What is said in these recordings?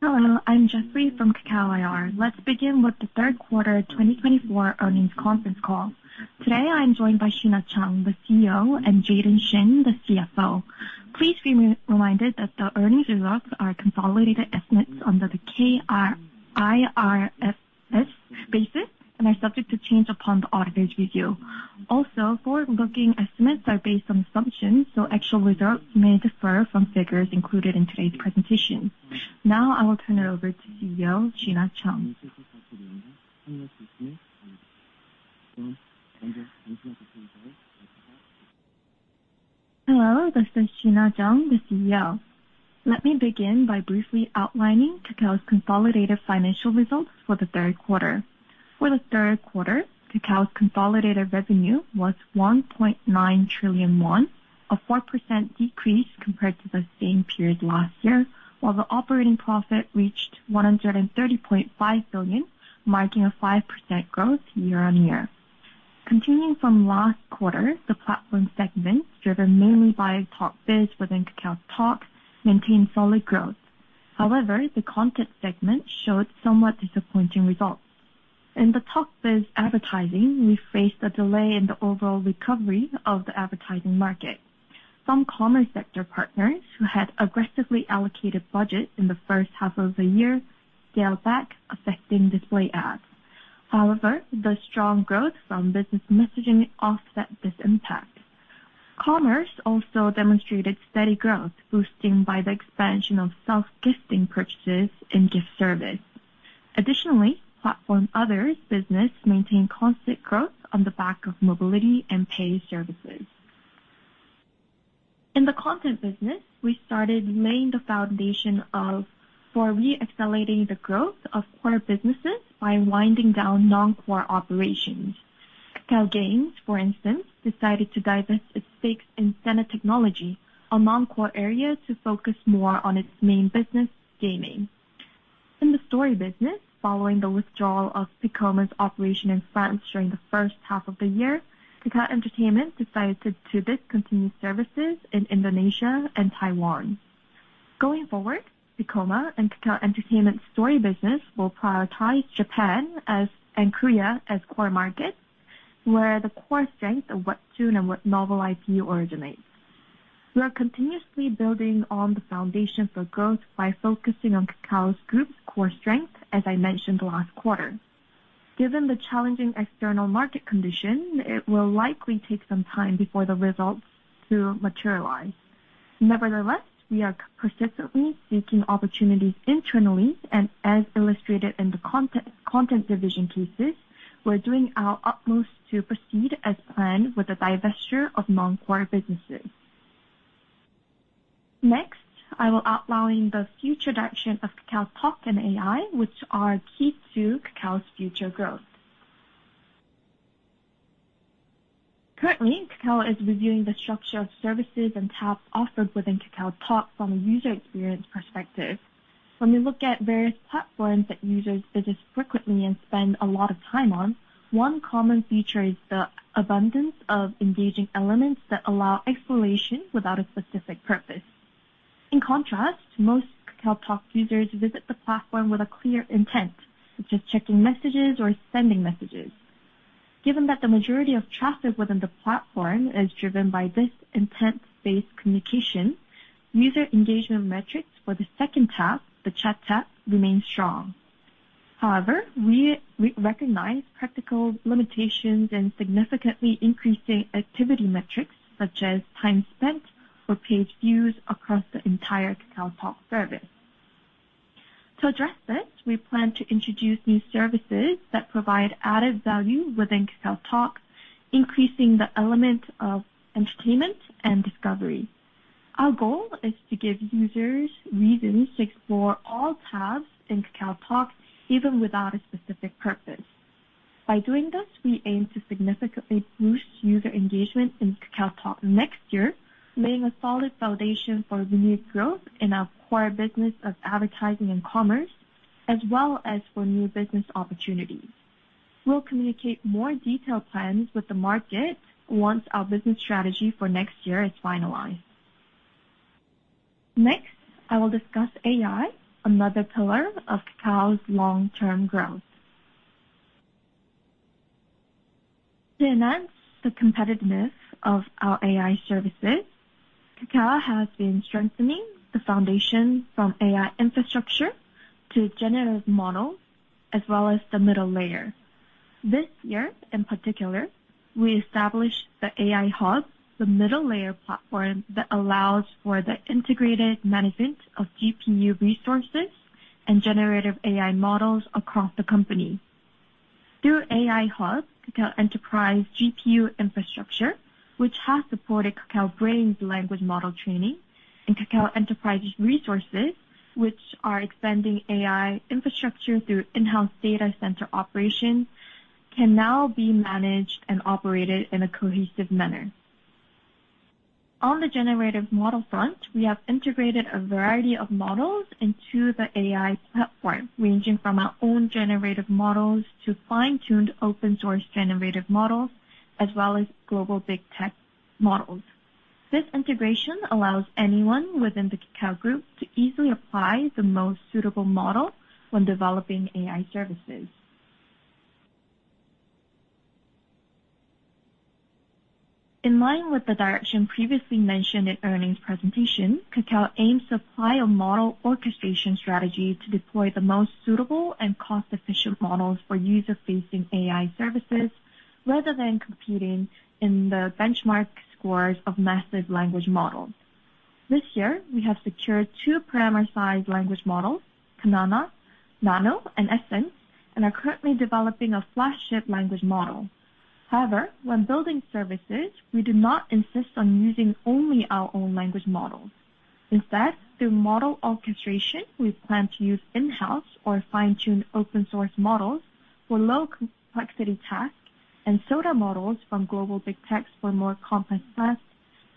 Hello, I'm Jeffrey from Kakao IR. Let's begin with the Q3 2024 earnings conference call. Today, I'm joined by Shina Chung, the CEO, and Jongwhan Shin, the CFO. Please be reminded that the earnings results are consolidated estimates under the K-IFRS basis and are subject to change upon the auditor's review. Also, forward-looking estimates are based on assumptions, so actual results may differ from figures included in today's presentation. Now I will turn it over to CEO Shina Chung. Hello, this is Shina Chung, the CEO. Let me begin by briefly outlining Kakao's consolidated financial results for the Q3. For the Q3, Kakao's consolidated revenue was 1.9 trillion won, a 4% decrease compared to the same period last year, while the operating profit reached 130.5 billion, marking a 5% growth year-on-year. Continuing from last quarter, the platform segment, driven mainly by Talk Biz within KakaoTalk, maintained solid growth. However, the content segment showed somewhat disappointing results. In the Talk Biz advertising, we faced a delay in the overall recovery of the advertising market. Some commerce sector partners who had aggressively allocated budgets in the first half of the year scaled back, affecting display ads. However, the strong growth from business messaging offset this impact. Commerce also demonstrated steady growth, boosting by the expansion of self-gifting purchases and gift service. Additionally, platform other business maintained constant growth on the back of mobility and pay services. In the Content business, we started laying the foundation for re-accelerating the growth of core businesses by winding down non-core operations. Kakao Games, for instance, decided to divest its stakes in Sena Technologies, a non-core area, to focus more on its main business, gaming. In the story business, following the withdrawal of Piccoma's operation in France during the first half of the year, Kakao Entertainment decided to discontinue services in Indonesia and Taiwan. Going forward, Piccoma and Kakao Entertainment's story business will prioritize Japan and Korea as core markets, where the core strength of webtoon and web novel IP originates. We are continuously building on the foundation for growth by focusing on Kakao's Group core strength, as I mentioned last quarter. Given the challenging external market condition, it will likely take some time before the results materialize. Nevertheless, we are persistently seeking opportunities internally, and as illustrated in the content division cases, we're doing our utmost to proceed as planned with the divestiture of non-core businesses. Next, I will outline the future direction of KakaoTalk and AI, which are key to Kakao's future growth. Currently, Kakao is reviewing the structure of services and tasks offered within KakaoTalk from a user experience perspective. When we look at various platforms that users visit frequently and spend a lot of time on, one common feature is the abundance of engaging elements that allow exploration without a specific purpose. In contrast, most KakaoTalk users visit the platform with a clear intent, such as checking messages or sending messages. Given that the majority of traffic within the platform is driven by this intent-based communication, user engagement metrics for the second task, the chat task, remain strong. However, we recognize practical limitations in significantly increasing activity metrics, such as time spent or page views across the entire KakaoTalk service. To address this, we plan to introduce new services that provide added value within KakaoTalk, increasing the element of entertainment and discovery. Our goal is to give users reasons to explore all tabs in KakaoTalk, even without a specific purpose. By doing this, we aim to significantly boost user engagement in KakaoTalk next year, laying a solid foundation for renewed growth in our core business of advertising and commerce, as well as for new business opportunities. We'll communicate more detailed plans with the market once our business strategy for next year is finalized. Next, I will discuss AI, another pillar of Kakao's long-term growth. To enhance the competitiveness of our AI services, Kakao has been strengthening the foundation from AI infrastructure to generative models, as well as the middle layer. This year, in particular, we established the AI Hub, the middle layer platform that allows for the integrated management of GPU resources and generative AI models across the company. Through AI Hub, Kakao Enterprise GPU infrastructure, which has supported Kakao Brain's language model training, and Kakao Enterprise resources, which are expanding AI infrastructure through in-house data center operations, can now be managed and operated in a cohesive manner. On the generative model front, we have integrated a variety of models into the AI platform, ranging from our own generative models to fine-tuned open-source generative models, as well as global big tech models. This integration allows anyone within the Kakao Group to easily apply the most suitable model when developing AI services. In line with the direction previously mentioned in earnings presentation, Kakao aims to apply a model orchestration strategy to deploy the most suitable and cost-efficient models for user-facing AI services, rather than competing in the benchmark scores of massive language models. This year, we have secured two parameter-sized language models, Kanana Nano and Kanana Essence, and are currently developing a flagship language model. However, when building services, we do not insist on using only our own language models. Instead, through model orchestration, we plan to use in-house or fine-tuned open-source models for low-complexity tasks and SOTA models from global big techs for more complex tasks,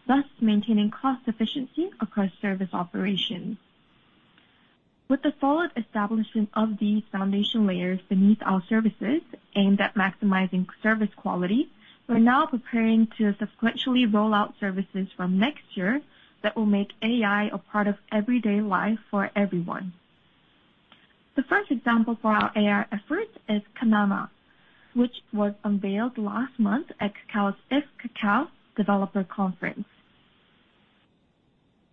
thus maintaining cost efficiency across service operations. With the solid establishment of these foundation layers beneath our services, aimed at maximizing service quality, we're now preparing to sequentially roll out services from next year that will make AI a part of everyday life for everyone. The first example for our AI efforts is Kanana, which was unveiled last month at Kakao's "if(kakao)25" developer conference.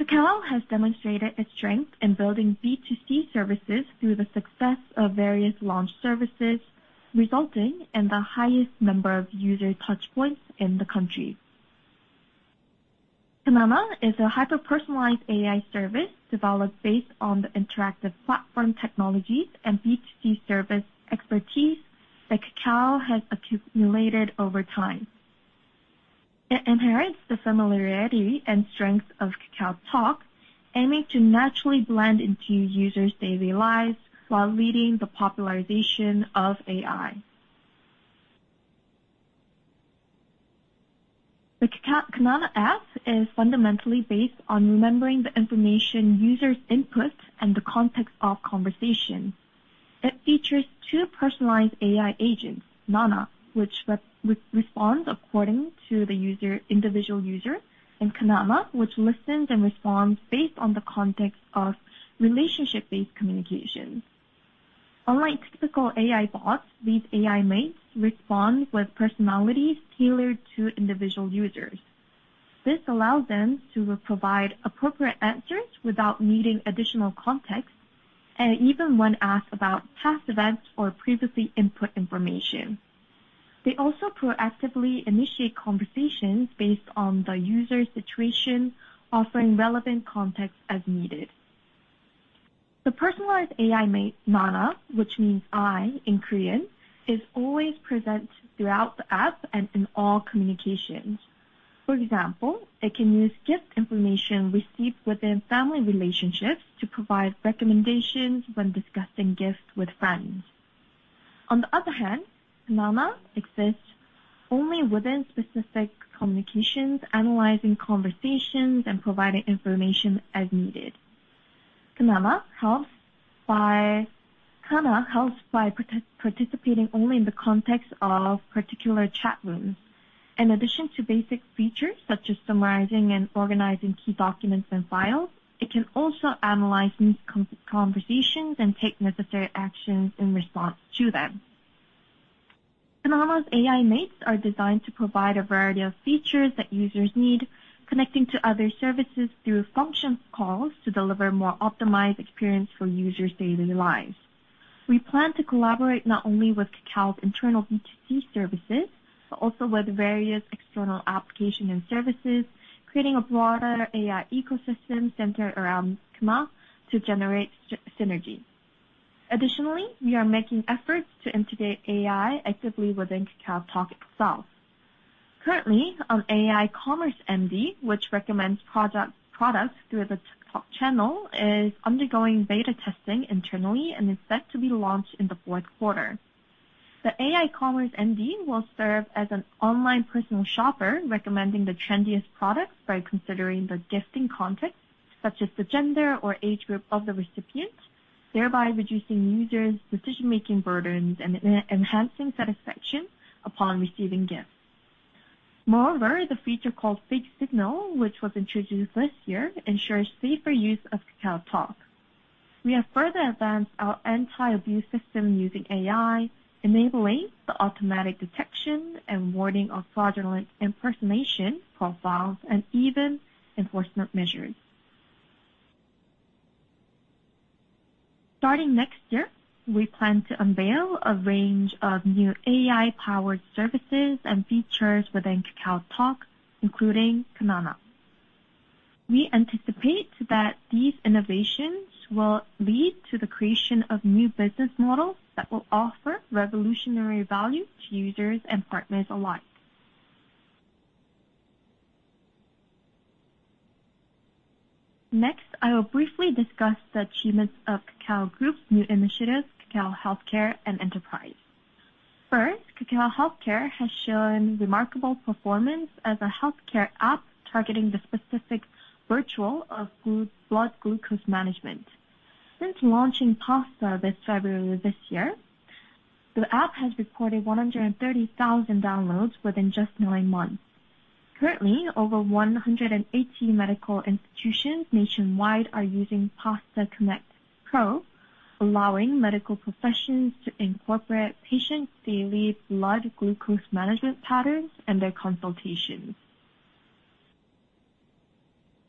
Kakao has demonstrated its strength in building B2C services through the success of various launch services, resulting in the highest number of user touchpoints in the country. Kanana is a hyper-personalized AI service developed based on the interactive platform technologies and B2C service expertise that Kakao has accumulated over time. It inherits the familiarity and strength of KakaoTalk, aiming to naturally blend into users' daily lives while leading the popularization of AI. The Kanana app is fundamentally based on remembering the information users input and the context of conversation. It features two personalized AI agents, "Nana", which responds according to the individual user, and Kana, which listens and responds based on the context of relationship-based communication. Unlike typical AI bots, these AI mates respond with personalities tailored to individual users. This allows them to provide appropriate answers without needing additional context, and even when asked about past events or previously input information. They also proactively initiate conversations based on the user situation, offering relevant context as needed. The personalized AI mate, "Nana", which means "I" in Korean, is always present throughout the app and in all communications. For example, it can use gift information received within family relationships to provide recommendations when discussing gifts with friends. On the other hand, Kanana exists only within specific communications, analyzing conversations and providing information as needed. Kanana helps by participating only in the context of particular chat rooms. In addition to basic features such as summarizing and organizing key documents and files, it can also analyze these conversations and take necessary actions in response to them. Kanana's AI mates are designed to provide a variety of features that users need, connecting to other services through function calls to deliver a more optimized experience for users' daily lives. We plan to collaborate not only with Kakao's internal B2C services, but also with various external applications and services, creating a broader AI ecosystem centered around Kanana to generate synergy. Additionally, we are making efforts to integrate AI actively within KakaoTalk itself. Currently, an AI Commerce MD, which recommends products through the Talk channel, is undergoing beta testing internally and is set to be launched in the Q4. The AI Commerce MD will serve as an online personal shopper, recommending the trendiest products by considering the gifting context, such as the gender or age group of the recipient, thereby reducing users' decision-making burdens and enhancing satisfaction upon receiving gifts. Moreover, the feature called Fake Signal, which was introduced this year, ensures safer use of KakaoTalk. We have further advanced our anti-abuse system using AI, enabling the automatic detection and warning of fraudulent impersonation profiles and even enforcement measures. Starting next year, we plan to unveil a range of new AI-powered services and features within KakaoTalk, including Kanana. We anticipate that these innovations will lead to the creation of new business models that will offer revolutionary value to users and partners alike. Next, I will briefly discuss the achievements of Kakao Group's new initiatives, Kakao Healthcare and Kakao Enterprise. First, Kakao Healthcare has shown remarkable performance as a healthcare app targeting the specific vertical of blood glucose management. Since launching PASTA this February this year, the app has recorded 130,000 downloads within just nine months. Currently, over 180 medical institutions nationwide are using PASTA Connect Pro, allowing medical professionals to incorporate patients' daily blood glucose management patterns and their consultations.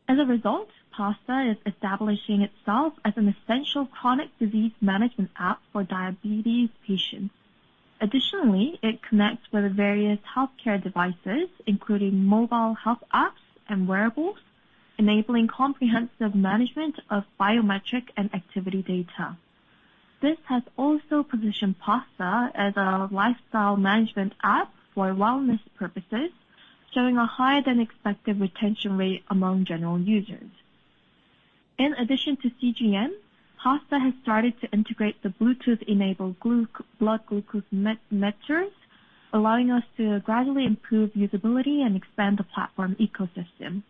As a result, PASTA is establishing itself as an essential chronic disease management app for diabetes patients. Additionally, it connects with various healthcare devices, including mobile health apps and wearables, enabling comprehensive management of biometric and activity data. This has also positioned PASTA as a lifestyle management app for wellness purposes, showing a higher-than-expected retention rate among general users. In addition to CGM, PASTA has started to integrate the Bluetooth-enabled blood glucose metrics, allowing us to gradually improve usability and expand the platform ecosystem.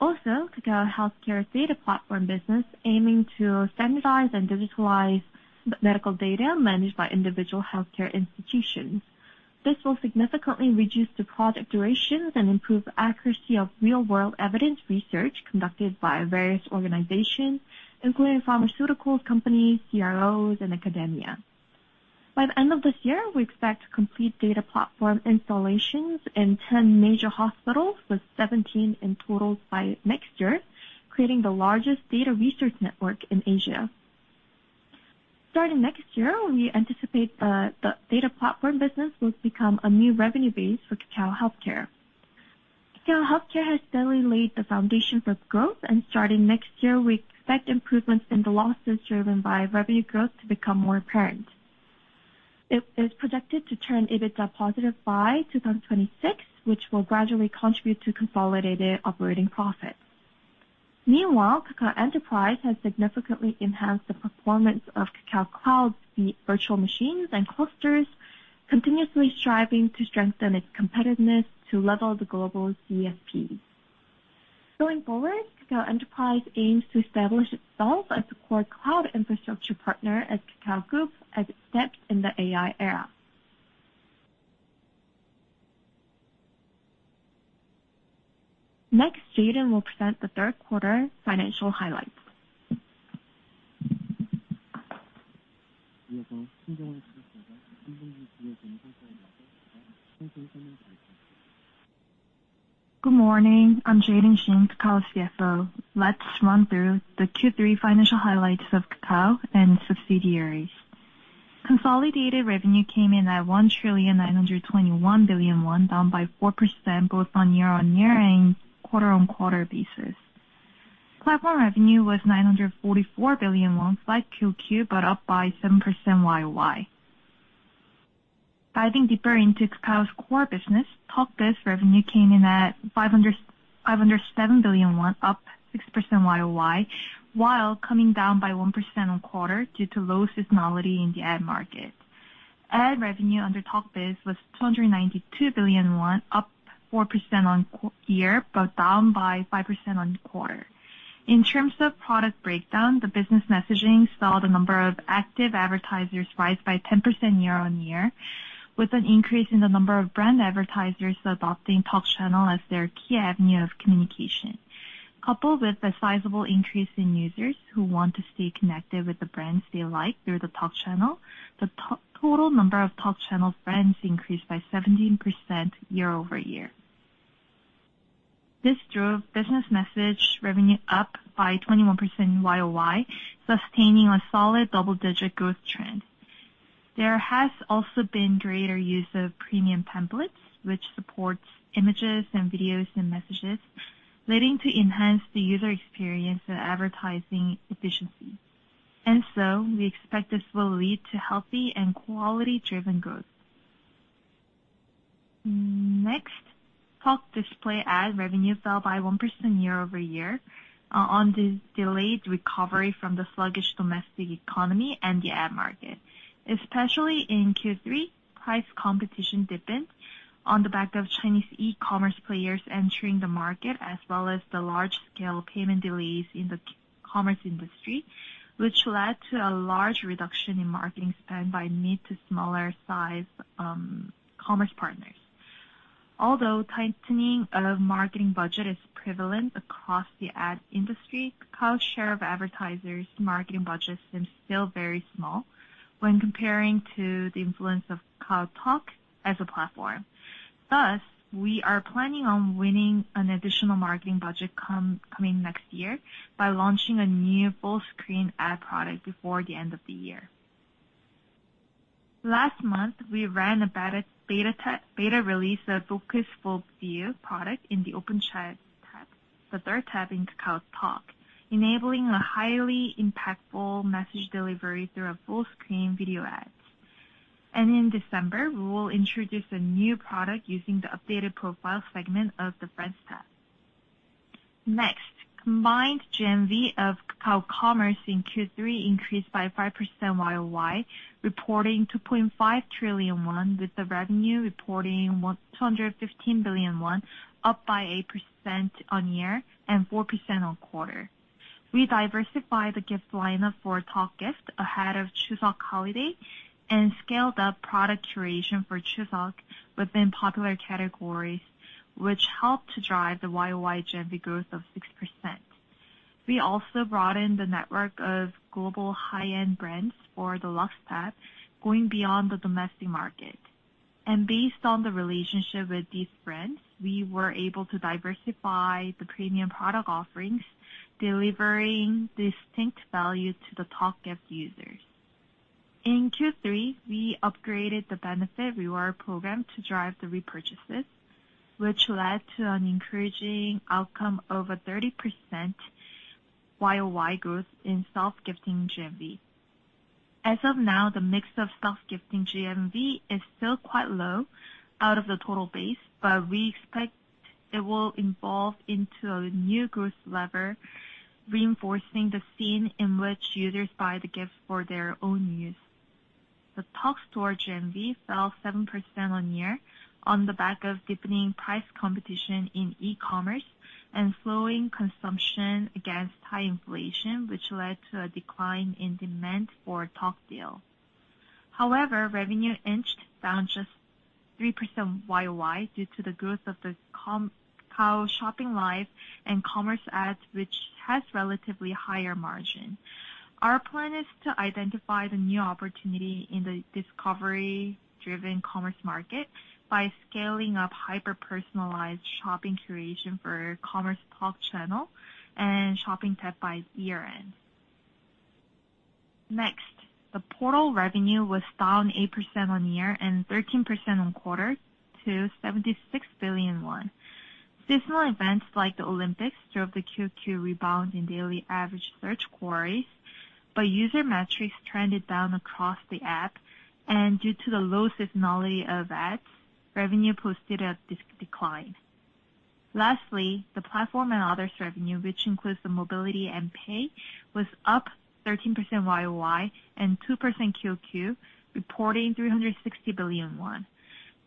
Also, Kakao Healthcare's data platform business aims to standardize and digitalize medical data managed by individual healthcare institutions. This will significantly reduce the project durations and improve the accuracy of Real-World Evidence research conducted by various organizations, including pharmaceutical companies, CROs, and academia. By the end of this year, we expect complete data platform installations in 10 major hospitals, with 17 in total by next year, creating the largest data research network in Asia. Starting next year, we anticipate the data platform business will become a new revenue base for Kakao Healthcare. Kakao Healthcare has steadily laid the foundation for growth, and starting next year, we expect improvements in the losses driven by revenue growth to become more apparent. It is projected to turn EBITDA positive by 2026, which will gradually contribute to consolidated operating profit. Meanwhile, Kakao Enterprise has significantly enhanced the performance of KakaoCloud's virtual machines and clusters, continuously striving to strengthen its competitiveness to level the global CSP. Going forward, Kakao Enterprise aims to establish itself as a core cloud infrastructure partner as Kakao Group steps in the AI era. Next, Jongwhan will present the Q3 financial highlights. Good morning. I'm Jongwhan Shin, Kakao's CFO. Let's run through the Q3 financial highlights of Kakao and subsidiaries. Consolidated revenue came in at 1,921 billion won, down by 4% both on year-on-year and quarter-on-quarter basis. Platform revenue was 944 billion won, slight Q/Q, but up by 7% YoY. Diving deeper into Kakao's core business, Talk Biz revenue came in at 507 billion won, up 6% YoY, while coming down by 1% on quarter due to low seasonality in the ad market. Ad revenue under Talk Biz was 292 billion won, up 4% on year, but down by 5% on quarter. In terms of product breakdown, the business messaging saw the number of active advertisers rise by 10% year-on-year, with an increase in the number of brand advertisers adopting Talk Channel as their key avenue of communication. Coupled with the sizable increase in users who want to stay connected with the brands they like through the Talk Channel, the total number of Talk Channel brands increased by 17% year-over-year. This drove business message revenue up by 21% YoY, sustaining a solid double-digit growth trend. There has also been greater use of premium templates, which supports images and videos and messages, leading to enhanced user experience and advertising efficiency. And so, we expect this will lead to healthy and quality-driven growth. Next, Talk Display ad revenue fell by 1% year-over-year on the delayed recovery from the sluggish domestic economy and the ad market. Especially in Q3, price competition dipped on the back of Chinese e-commerce players entering the market, as well as the large-scale payment delays in the commerce industry, which led to a large reduction in marketing spend by mid- to smaller-sized commerce partners. Although tightening of marketing budget is prevalent across the ad industry, Kakao's share of advertisers' marketing budgets seems still very small when comparing to the influence of KakaoTalk as a platform. Thus, we are planning on winning an additional marketing budget coming next year by launching a new full-screen ad product before the end of the year. Last month, we ran a beta release of Focus Full View product in the Open Chat tab, the third tab in KakaoTalk, enabling a highly impactful message delivery through a full-screen video ad. In December, we will introduce a new product using the updated profile segment of the Friends Tab. Next, combined GMV of Kakao Commerce in Q3 increased by 5% YoY, reporting 2.5 trillion won, with the revenue reporting 215 billion won, up by 8% on year and 4% on quarter. We diversified the gift lineup for Talk Gift ahead of Chuseok holiday and scaled up product curation for Chuseok within popular categories, which helped to drive the YoY GMV growth of 6%. We also broadened the network of global high-end brands for the LuX Tab, going beyond the domestic market. Based on the relationship with these brands, we were able to diversify the premium product offerings, delivering distinct value to the Talk Gift users. In Q3, we upgraded the benefit reward program to drive the repurchases, which led to an encouraging outcome of a 30% YoY growth in self-gifting GMV. As of now, the mix of self-gifting GMV is still quite low out of the total base, but we expect it will evolve into a new growth lever, reinforcing the scene in which users buy the gifts for their own use. The Talk Store GMV fell 7% on year on the back of deepening price competition in e-commerce and slowing consumption against high inflation, which led to a decline in demand for Talk Deal. However, revenue inched down just 3% YoY due to the growth of the Kakao Shopping Live and Commerce ads, which has relatively higher margins. Our plan is to identify the new opportunity in the discovery-driven commerce market by scaling up hyper-personalized shopping curation for Commerce Talk Channel and Shopping Tab by year-end. Next, the portal revenue was down 8% on year and 13% on quarter to 76 billion won. Seasonal events like the Olympics drove the Q/Q rebound in daily average search queries, but user metrics trended down across the app, and due to the low seasonality of ads, revenue posted a decline. Lastly, the platform and others' revenue, which includes the mobility and pay, was up 13% YoY and 2% Q/Q, reporting 360 billion won.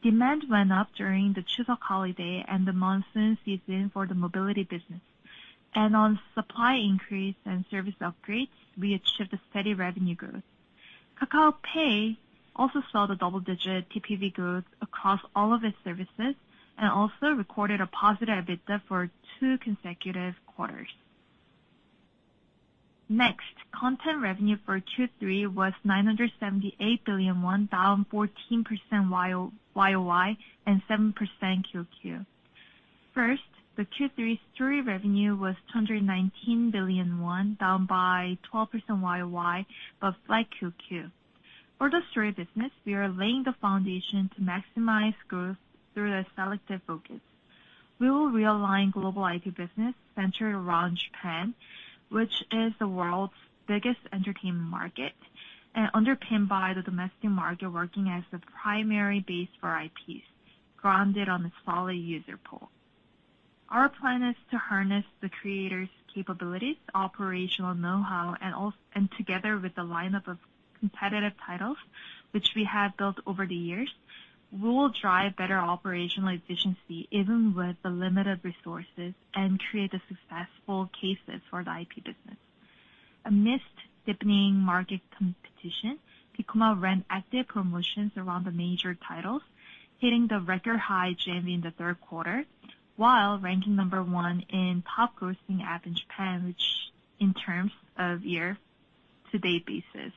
Demand went up during the Chuseok holiday and the monsoon season for the mobility business. And on supply increase and service upgrades, we achieved a steady revenue growth. Kakao Pay also saw the double-digit TPV growth across all of its services and also recorded a positive EBITDA for two consecutive quarters. Next, content revenue for Q3 was 978 billion won, down 14% YoY and 7% Q/Q. First, the Q3 story revenue was 219 billion won, down by 12% YoY, but flat Q/Q. For the Story business, we are laying the foundation to maximize growth through a selective focus. We will realign global IP business centered around Japan, which is the world's biggest entertainment market, and underpinned by the domestic market working as the primary base for IPs, grounded on a solid user pool. Our plan is to harness the creator's capabilities, operational know-how, and together with the lineup of competitive titles, which we have built over the years, we will drive better operational efficiency even with the limited resources and create the successful cases for the IP business. Amidst deepening market competition, Piccoma ran active promotions around the major titles, hitting the record high GMV in the Q3, while ranking number one in top-grossing app in Japan, which in terms of year-to-date basis.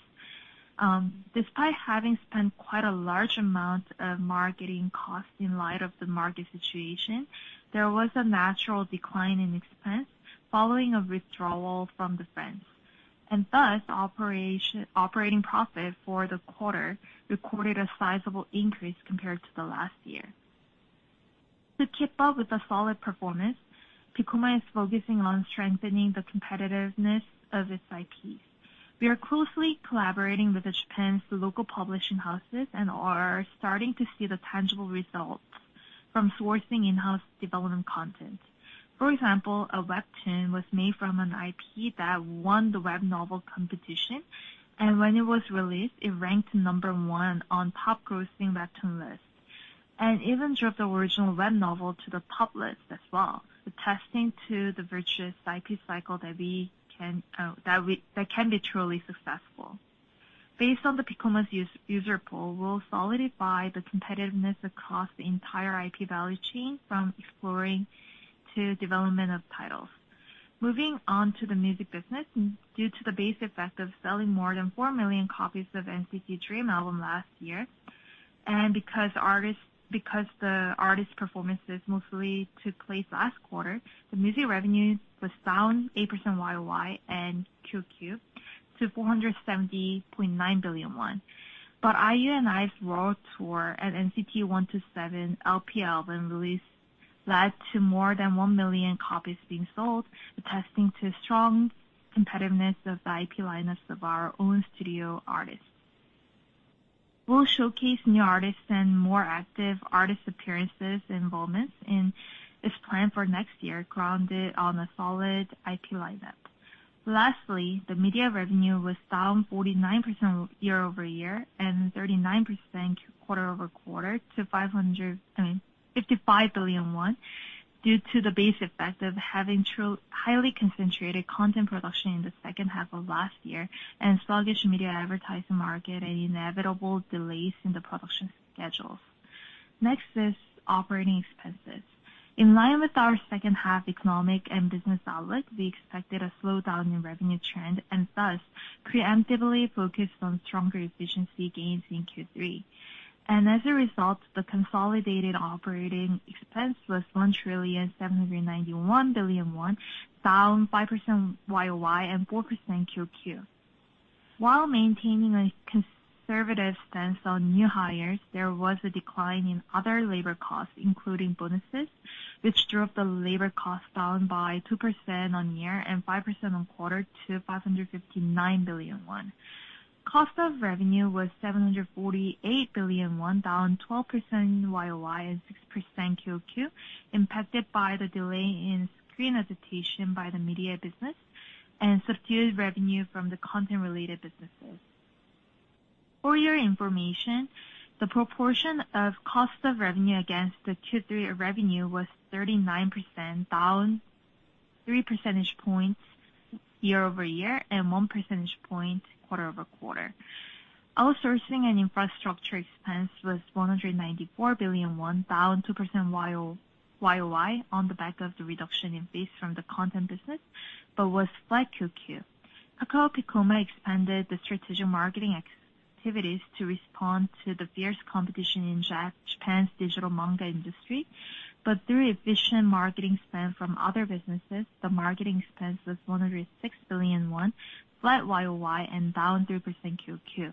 Despite having spent quite a large amount of marketing cost in light of the market situation, there was a natural decline in expense following a withdrawal from France, and thus, operating profit for the quarter recorded a sizable increase compared to the last year. To keep up with the solid performance, Piccoma is focusing on strengthening the competitiveness of its IPs. We are closely collaborating with Japan's local publishing houses and are starting to see the tangible results from sourcing in-house development content. For example, a webtoon was made from an IP that won the web novel competition, and when it was released, it ranked number one on top-grossing webtoon list. And even drove the original web novel to the top list as well, attesting to the virtuous IP cycle that can be truly successful. Based on Piccoma's user pool, we'll solidify the competitiveness across the entire IP value chain from exploring to development of titles. Moving on to the music business, due to the base effect of selling more than 4 million copies of NCT Dream album last year, and because the artist's performances mostly took place last quarter, the music revenue was down 8% YoY and Q/Q to 470.9 billion won. But IU and IVE's World Tour and NCT 127 LP album released led to more than 1 million copies being sold, attesting to the strong competitiveness of the IP lineups of our own studio artists. We'll showcase new artists and more active artist appearances and involvements in this plan for next year, grounded on a solid IP lineup. Lastly, the media revenue was down 49% year-over-year and 39% quarter-over-quarter to 55 billion won due to the base effect of having highly concentrated content production in the second half of last year and sluggish media advertising market and inevitable delays in the production schedules. Next is operating expenses. In line with our second-half economic and business outlook, we expected a slowdown in revenue trend and thus preemptively focused on stronger efficiency gains in Q3, and as a result, the consolidated operating expense was 1,791 billion won, down 5% YoY and 4% Q/Q. While maintaining a conservative stance on new hires, there was a decline in other labor costs, including bonuses, which drove the labor costs down by 2% on year and 5% on quarter to 559 billion won. Cost of revenue was 748 billion won, down 12% YoY and 6% Q/Q, impacted by the delay in screen adaptation by the media business and subdued revenue from the content-related businesses. For your information, the proportion of cost of revenue against the Q3 revenue was 39%, down 3 percentage points year-over-year and 1 percentage point quarter-over-quarter. Outsourcing and infrastructure expense was 194 billion won, down 2% YoY on the back of the reduction in fees from the Content business, but was flat Q/Q. Kakao Piccoma expanded the strategic marketing activities to respond to the fierce competition in Japan's digital manga industry, but through efficient marketing spend from other businesses, the marketing expense was 106 billion won, flat YoY and down 3% Q/Q.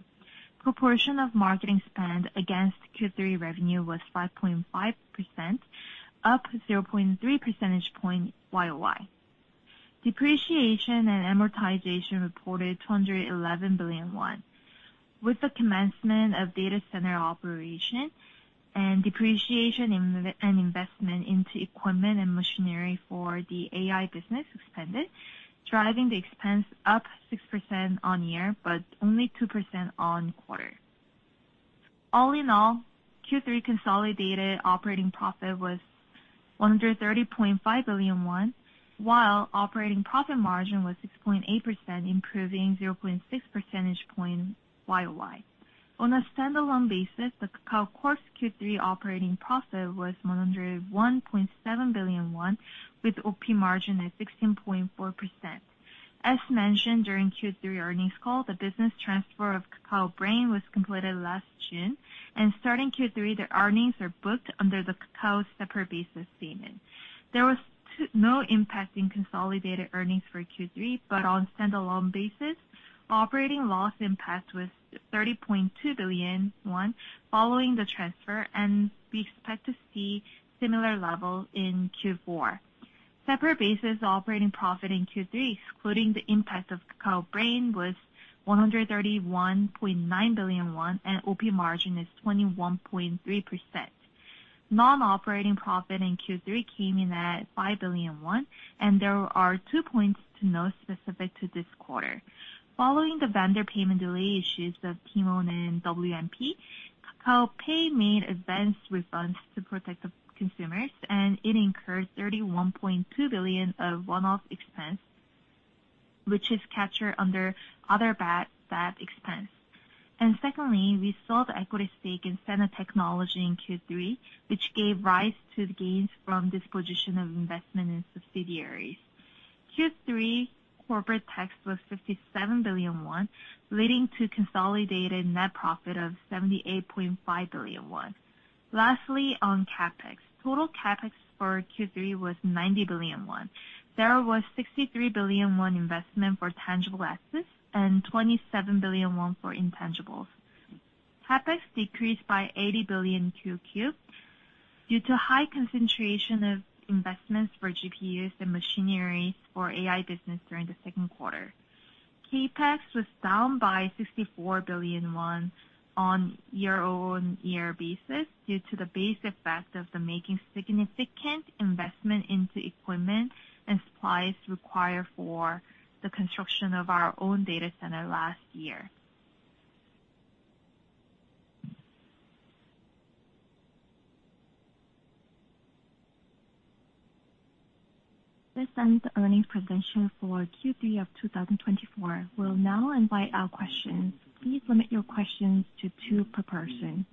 Proportion of marketing spend against Q3 revenue was 5.5%, up 0.3 percentage points YoY. Depreciation and amortization reported 211 billion won. With the commencement of data center operation and depreciation and investment into equipment and machinery for the AI business expended, driving the expense up 6% on year, but only 2% on quarter. All in all, Q3 consolidated operating profit was 130.5 billion won, while operating profit margin was 6.8%, improving 0.6 percentage points YoY. On a standalone basis, the Kakao Corp's Q3 operating profit was 101.7 billion won, with OP margin at 16.4%. As mentioned during Q3 earnings call, the business transfer of Kakao Brain was completed last June, and starting Q3, the earnings are booked under the Kakao separate basis statement. There was no impact in consolidated earnings for Q3, but on a standalone basis, operating loss impact was 30.2 billion following the transfer, and we expect to see similar levels in Q4. Separate basis operating profit in Q3, excluding the impact of Kakao Brain, was 131.9 billion won, and OP margin is 21.3%. Non-operating profit in Q3 came in at 5 billion won, and there are two points to note specific to this quarter. Following the vendor payment delay issues of TMON and WMP, Kakao Pay made advanced refunds to protect consumers, and it incurred 31.2 billion of one-off expense, which is captured under other bad expense. And secondly, we saw the equity stake in Sena Technologies in Q3, which gave rise to the gains from disposition of investment in subsidiaries. Q3 corporate tax was 57 billion won, leading to consolidated net profit of 78.5 billion won. Lastly, on CapEx. Total CapEx for Q3 was 90 billion won. There was 63 billion won investment for tangible assets and 27 billion won for intangibles. CapEx decreased by 80 billion Q/Q due to high concentration of investments for GPUs and machinery for AI business during the Q2. CapEx was down by 64 billion won on year-on-year basis due to the base effect of the making significant investment into equipment and supplies required for the construction of our own data center last year. This ends the earnings presentation for Q3 of 2024. We'll now invite out questions. Please limit your questions to two per person.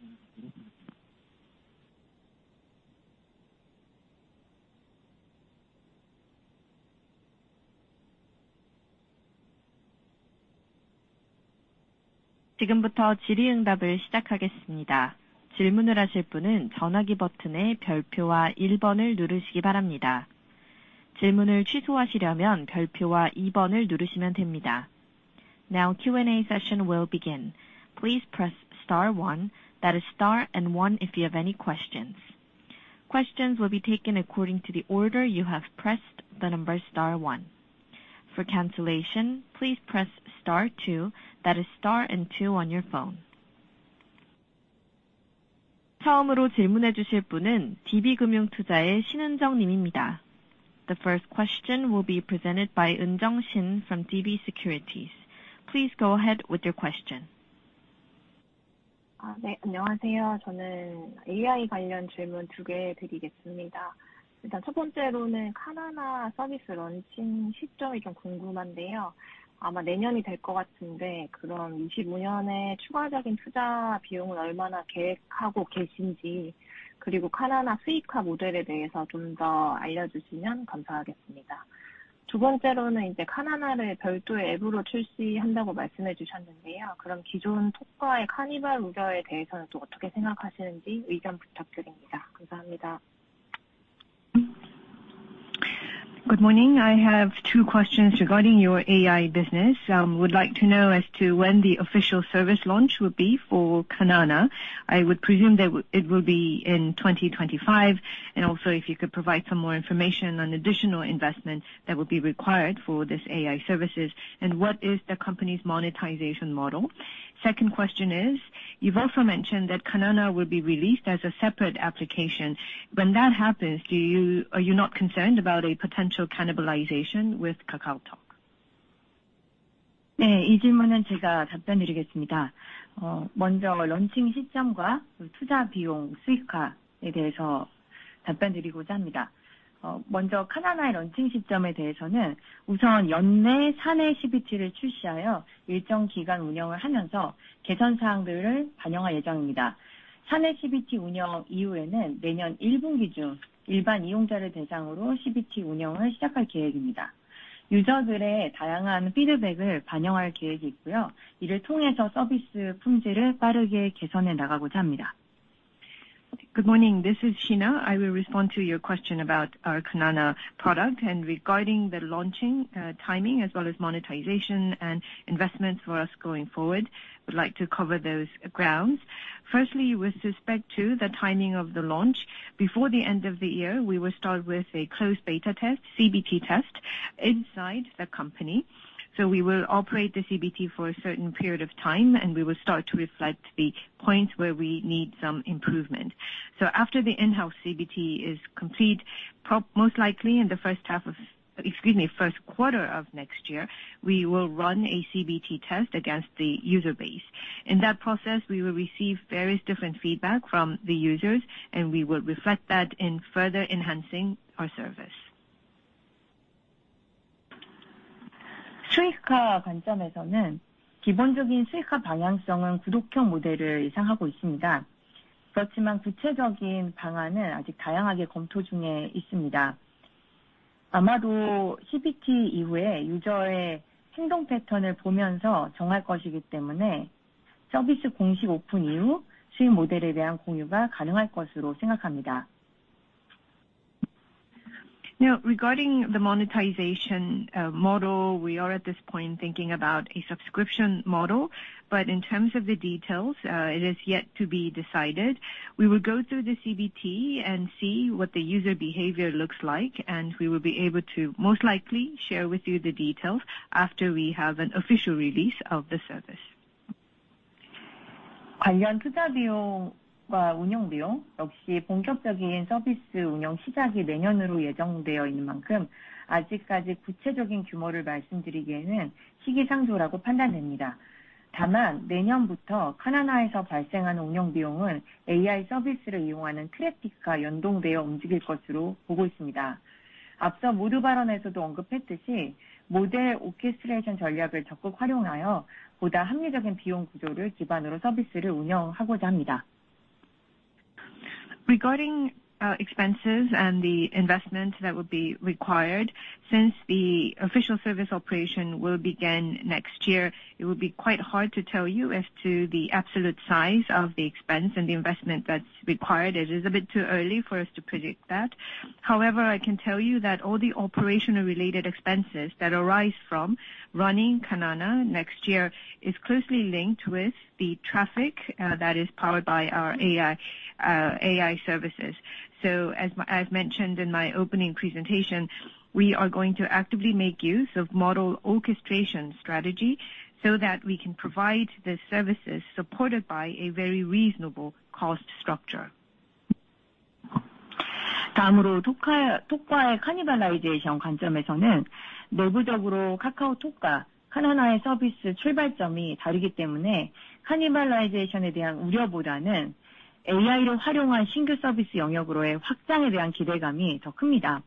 지금부터 질의응답을 시작하겠습니다. 질문을 하실 분은 전화기 버튼의 별표와 1번을 누르시기 바랍니다. 질문을 취소하시려면 별표와 2번을 누르시면 됩니다. Now, Q&A session will begin. Please press star one, that is, star and one if you have any questions. Questions will be taken according to the order you have pressed the number star one. For cancellation, please press star two, that is, star and two on your phone. 처음으로 질문해 주실 분은 DB금융투자의 신은정 님입니다. The first question will be presented by Eunjung Shin from DB Securities. Please go ahead with your question. 네, 안녕하세요. 저는 AI 관련 질문 두개 드리겠습니다. 일단 첫 번째로는 카나나 서비스 런칭 시점이 좀 궁금한데요. 아마 내년이 될것 같은데, 그럼 25년에 추가적인 투자 비용은 얼마나 계획하고 계신지, 그리고 카나나 수익화 모델에 대해서 좀더 알려주시면 감사하겠습니다. 두 번째로는 이제 카나나를 별도의 앱으로 출시한다고 말씀해 주셨는데요. 그럼 기존 톡과의 cannibalization 우려에 대해서는 또 어떻게 생각하시는지 의견 부탁드립니다. 감사합니다. Good morning. I have two questions regarding your AI business. Would like to know as to when the official service launch will be for Kanana. I would presume that it will be in 2025, and also if you could provide some more information on additional investment that will be required for this AI services, and what is the company's monetization model. Second question is, you've also mentioned that Kanana will be released as a separate application. When that happens, are you not concerned about a potential cannibalization with KakaoTalk? 네, 이 질문은 제가 답변드리겠습니다. 먼저 런칭 시점과 투자 비용 수익화에 대해서 답변드리고자 합니다. 먼저 카나나의 런칭 시점에 대해서는 우선 연내 사내 CBT를 출시하여 일정 기간 운영을 하면서 개선 사항들을 반영할 예정입니다. 사내 CBT 운영 이후에는 내년 1분기 중 일반 이용자를 대상으로 CBT 운영을 시작할 계획입니다. 유저들의 다양한 피드백을 반영할 계획이 있고요. 이를 통해서 서비스 품질을 빠르게 개선해 나가고자 합니다. Good morning. This is Shina. I will respond to your question about our Kanana product and regarding the launching timing as well as monetization and investments for us going forward. Would like to cover those grounds. Firstly, with respect to the timing of the launch, before the end of the year, we will start with a closed beta test, CBT test, inside the company. So, we will operate the CBT for a certain period of time, and we will start to reflect the points where we need some improvement. So, after the in-house CBT is complete, most likely in the first half of, excuse me, Q1 of next year, we will run a CBT test against the user base. In that process, we will receive various different feedback from the users, and we will reflect that in further enhancing our service. 수익화 관점에서는 기본적인 수익화 방향성은 구독형 모델을 예상하고 있습니다. 그렇지만 구체적인 방안은 아직 다양하게 검토 중에 있습니다. 아마도 CBT 이후에 유저의 행동 패턴을 보면서 정할 것이기 때문에 서비스 공식 오픈 이후 수익 모델에 대한 공유가 가능할 것으로 생각합니다. Now, regarding the monetization model, we are at this point thinking about a subscription model, but in terms of the details, it is yet to be decided. We will go through the CBT and see what the user behavior looks like, and we will be able to most likely share with you the details after we have an official release of the service. 관련 투자 비용과 운영 비용 역시 본격적인 서비스 운영 시작이 내년으로 예정되어 있는 만큼 아직까지 구체적인 규모를 말씀드리기에는 시기상조라고 판단됩니다. 다만 내년부터 카나나에서 발생하는 운영 비용은 AI 서비스를 이용하는 트래픽과 연동되어 움직일 것으로 보고 있습니다. 앞서 모두 발언에서도 언급했듯이 모델 오케스트레이션 전략을 적극 활용하여 보다 합리적인 비용 구조를 기반으로 서비스를 운영하고자 합니다. Regarding expenses and the investment that will be required, since the official service operation will begin next year, it will be quite hard to tell you as to the absolute size of the expense and the investment that's required. It is a bit too early for us to predict that. However, I can tell you that all the operation-related expenses that arise from running Kanana next year are closely linked with the traffic that is powered by our AI services. So, as mentioned in my opening presentation, we are going to actively make use of model orchestration strategy so that we can provide the services supported by a very reasonable cost structure. 다음으로 톡과의 카니발라이제이션 관점에서는 내부적으로 카카오톡과 카나나의 서비스 출발점이 다르기 때문에 카니발라이제이션에 대한 우려보다는 AI를 활용한 신규 서비스 영역으로의 확장에 대한 기대감이 더 큽니다.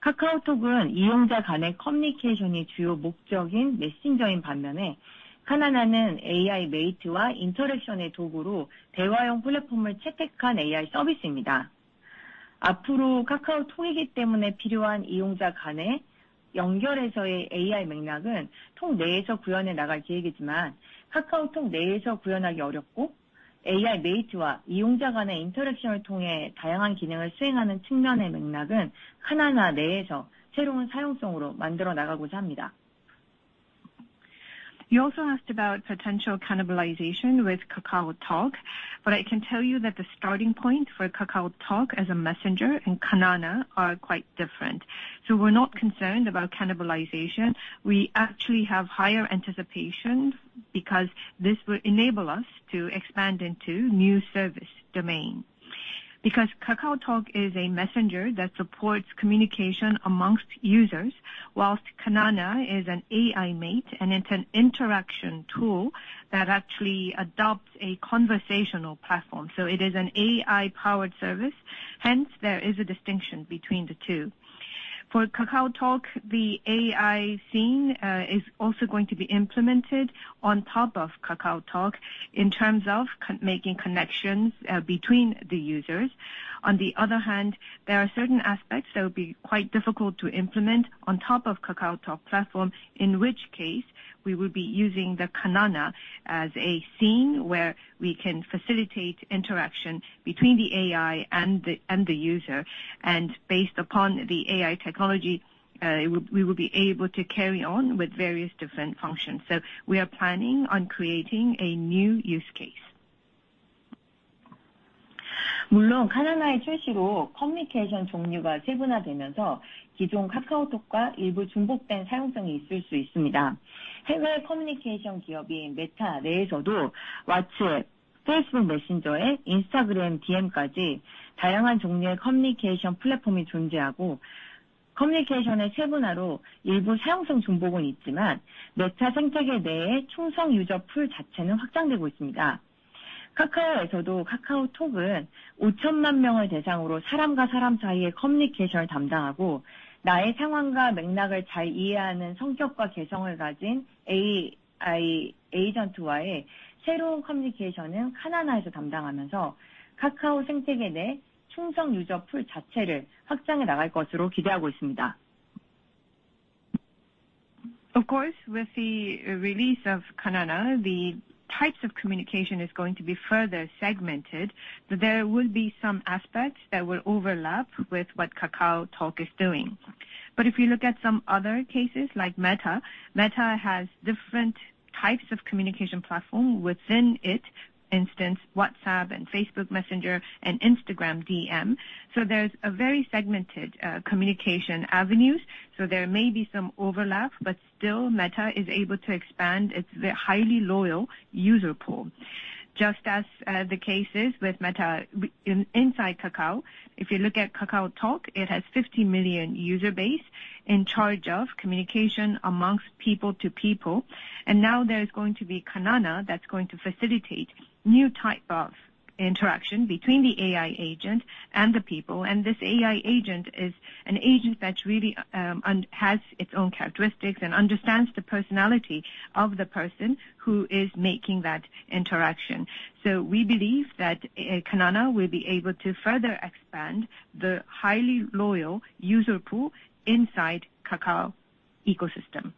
카카오톡은 이용자 간의 커뮤니케이션이 주요 목적인 메신저인 반면에 카나나는 AI 메이트와 인터랙션의 도구로 대화형 플랫폼을 채택한 AI 서비스입니다. 앞으로 카카오톡이기 때문에 필요한 이용자 간의 연결에서의 AI 맥락은 톡 내에서 구현해 나갈 계획이지만 카카오톡 내에서 구현하기 어렵고 AI 메이트와 이용자 간의 인터랙션을 통해 다양한 기능을 수행하는 측면의 맥락은 카나나 내에서 새로운 사용성으로 만들어 나가고자 합니다. You also asked about potential cannibalization with KakaoTalk, but I can tell you that the starting point for KakaoTalk as a messenger and Kanana are quite different. So we're not concerned about cannibalization. We actually have higher anticipation because this will enable us to expand into new service domains. Because KakaoTalk is a messenger that supports communication among users, while Kanana is an AI mate and it's an interaction tool that actually adopts a conversational platform. So it is an AI-powered service. Hence, there is a distinction between the two. For KakaoTalk, the AI scene is also going to be implemented on top of KakaoTalk in terms of making connections between the users. On the other hand, there are certain aspects that will be quite difficult to implement on top of KakaoTalk platform, in which case we will be using the Kanana as a scene where we can facilitate interaction between the AI and the user. And based upon the AI technology, we will be able to carry on with various different functions. So we are planning on creating a new use case. 물론 카나나의 출시로 커뮤니케이션 종류가 세분화되면서 기존 카카오톡과 일부 중복된 사용성이 있을 수 있습니다. 해외 커뮤니케이션 기업인 Meta 내에서도 WhatsApp, Facebook Messenger에 Instagram DM까지 다양한 종류의 커뮤니케이션 플랫폼이 존재하고 커뮤니케이션의 세분화로 일부 사용성 중복은 있지만 Meta 생태계 내의 충성 유저 풀 자체는 확장되고 있습니다. 카카오에서도 KakaoTalk은 5천만 명을 대상으로 사람과 사람 사이의 커뮤니케이션을 담당하고 나의 상황과 맥락을 잘 이해하는 성격과 개성을 가진 AI 에이전트와의 새로운 커뮤니케이션은 Kanana에서 담당하면서 카카오 생태계 내 충성 유저 풀 자체를 확장해 나갈 것으로 기대하고 있습니다. Of course, with the release of Kanana, the types of communication are going to be further segmented. There will be some aspects that will overlap with what KakaoTalk is doing. But if we look at some other cases like Meta, Meta has different types of communication platforms within it, for instance WhatsApp and Facebook Messenger and Instagram DM. So there's a very segmented communication avenue. So there may be some overlap, but still Meta is able to expand its highly loyal user pool. Just as the case is with Meta inside Kakao, if you look at KakaoTalk, it has 50 million user base in charge of communication among people to people. And now there's going to be Kanana that's going to facilitate new types of interaction between the AI agent and the people. And this AI agent is an agent that really has its own characteristics and understands the personality of the person who is making that interaction. So, we believe that Kanana will be able to further expand the highly loyal user pool inside Kakao ecosystem.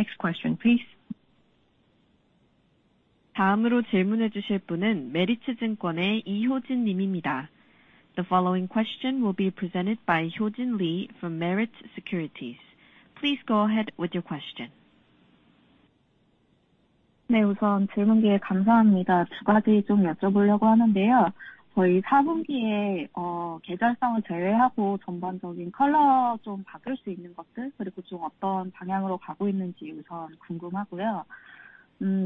다음 질문 받겠습니다. Next question, please. 다음으로 질문해 주실 분은 메리츠증권의 이효진 님입니다. The following question will be presented by Hyojin Lee from Meritz Securities. Please go ahead with your question. 네, 우선 질문 기회 감사합니다. 두 가지 좀 여쭤보려고 하는데요. 저희 4분기에 계절성을 제외하고 전반적인 컬러 좀 바뀔 수 있는 것들, 그리고 좀 어떤 방향으로 가고 있는지 우선 궁금하고요.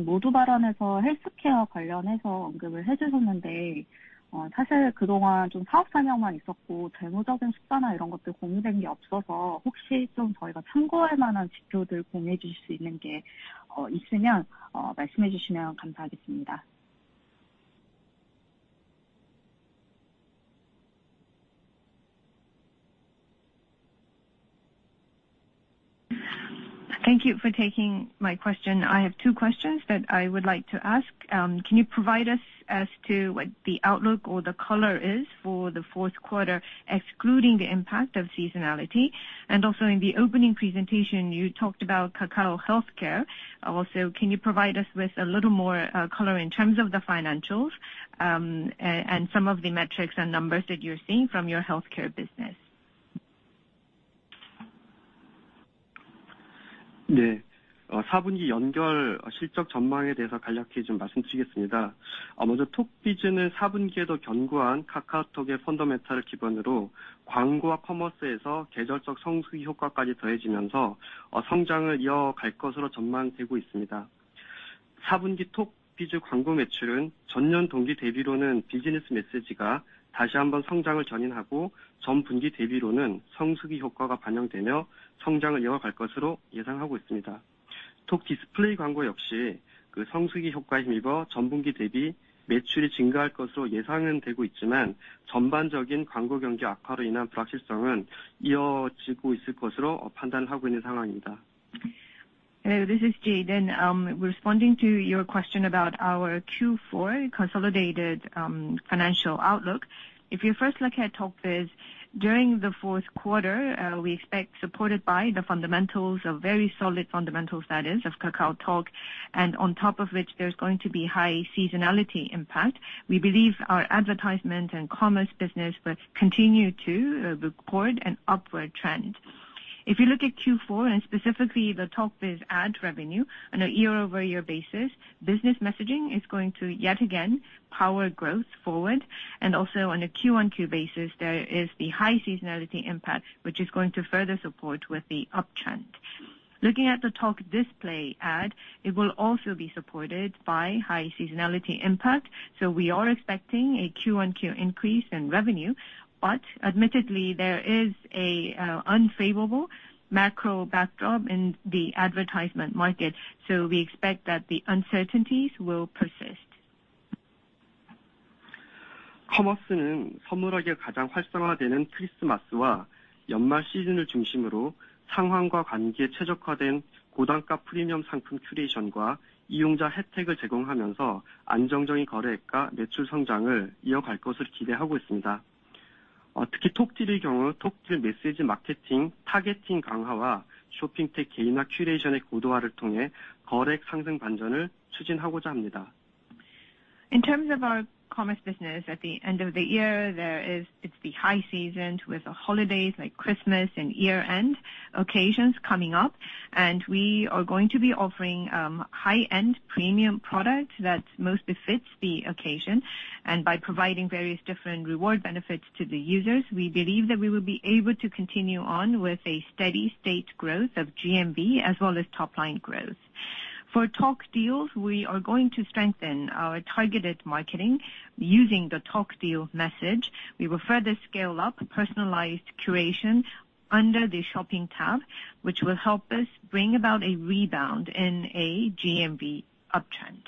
모두 발언에서 헬스케어 관련해서 언급을 해 주셨는데, 사실 그동안 좀 사업 사명만 있었고 재무적인 숫자나 이런 것들 공유된 게 없어서 혹시 좀 저희가 참고할 만한 지표들 공유해 주실 수 있는 게 있으면 말씀해 주시면 감사하겠습니다. Thank you for taking my question. I have two questions that I would like to ask. Can you provide us as to what the outlook or the color is for the Q4, excluding the impact of seasonality? And also in the opening presentation, you talked about Kakao Healthcare. Also, can you provide us with a little more color in terms of the financials and some of the metrics and numbers that you're seeing from your healthcare business? 네, 4분기 연결 실적 전망에 대해서 간략히 좀 말씀드리겠습니다. 먼저 톡비즈는 4분기에 더 견고한 카카오톡의 펀더멘털을 기반으로 광고와 커머스에서 계절적 성수기 효과까지 더해지면서 성장을 이어갈 것으로 전망되고 있습니다. 4분기 톡비즈 광고 매출은 전년 동기 대비로는 비즈니스 메시지가 다시 한번 성장을 견인하고 전분기 대비로는 성수기 효과가 반영되며 성장을 이어갈 것으로 예상하고 있습니다. 톡디스플레이 광고 역시 그 성수기 효과에 힘입어 전분기 대비 매출이 증가할 것으로 예상은 되고 있지만 전반적인 광고 경기 악화로 인한 불확실성은 이어지고 있을 것으로 판단하고 있는 상황입니다. This is Jongwhan. Responding to your question about our Q4 consolidated financial outlook, if you first look at Talk Biz during the Q4, we expect supported by the fundamentals of very solid fundamentals that is of KakaoTalk, and on top of which there's going to be high seasonality impact. We believe our advertisement and commerce business will continue to record an upward trend. If you look at Q4 and specifically the Talk Biz ad revenue on a year-over-year basis, business messaging is going to yet again power growth forward. And also on a QoQ basis, there is the high seasonality impact, which is going to further support with the uptrend. Looking at the Talk Display ad, it will also be supported by high seasonality impact. So, we are expecting a QoQ increase in revenue, but admittedly there is an unfavorable macro backdrop in the advertisement market. So, we expect that the uncertainties will persist. 커머스는 선물하기가 가장 활성화되는 크리스마스와 연말 시즌을 중심으로 상황과 관계에 최적화된 고단가 프리미엄 상품 큐레이션과 이용자 혜택을 제공하면서 안정적인 거래액과 매출 성장을 이어갈 것으로 기대하고 있습니다. 특히 톡딜의 경우 톡딜 메시지 마케팅 타겟팅 강화와 쇼핑 탭 개인화 큐레이션의 고도화를 통해 거래액 상승 반전을 추진하고자 합니다. In terms of our commerce business, at the end of the year, there is the high season with holidays like Christmas and year-end occasions coming up, and we are going to be offering high-end premium products that most befit the occasion, and by providing various different reward benefits to the users, we believe that we will be able to continue on with a steady state growth of GMV as well as top-line growth. For Talk Deals, we are going to strengthen our targeted marketing using the Talk Deal message. We will further scale up personalized curation under the shopping tab, which will help us bring about a rebound in a GMV uptrend.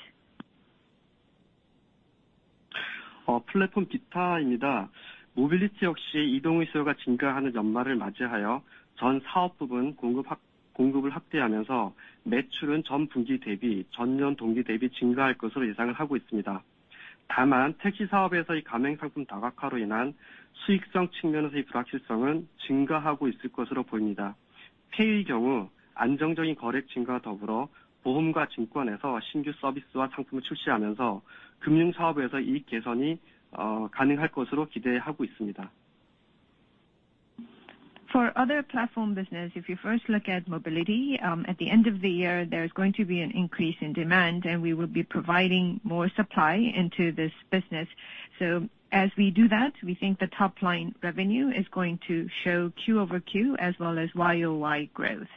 플랫폼 기타입니다. 모빌리티 역시 이동 수요가 증가하는 연말을 맞이하여 전 사업 부분 공급을 확대하면서 매출은 전분기 대비, 전년 동기 대비 증가할 것으로 예상을 하고 있습니다. 다만 택시 사업에서의 가맹 상품 다각화로 인한 수익성 측면에서의 불확실성은 증가하고 있을 것으로 보입니다. 페이의 경우 안정적인 거래액 증가와 더불어 보험과 증권에서 신규 서비스와 상품을 출시하면서 금융 사업에서의 이익 개선이 가능할 것으로 기대하고 있습니다. For other platform business, if you first look at mobility, at the end of the year, there's going to be an increase in demand, and we will be providing more supply into this business. So, as we do that, we think the top-line revenue is going to show QoQ as well as YoY growth.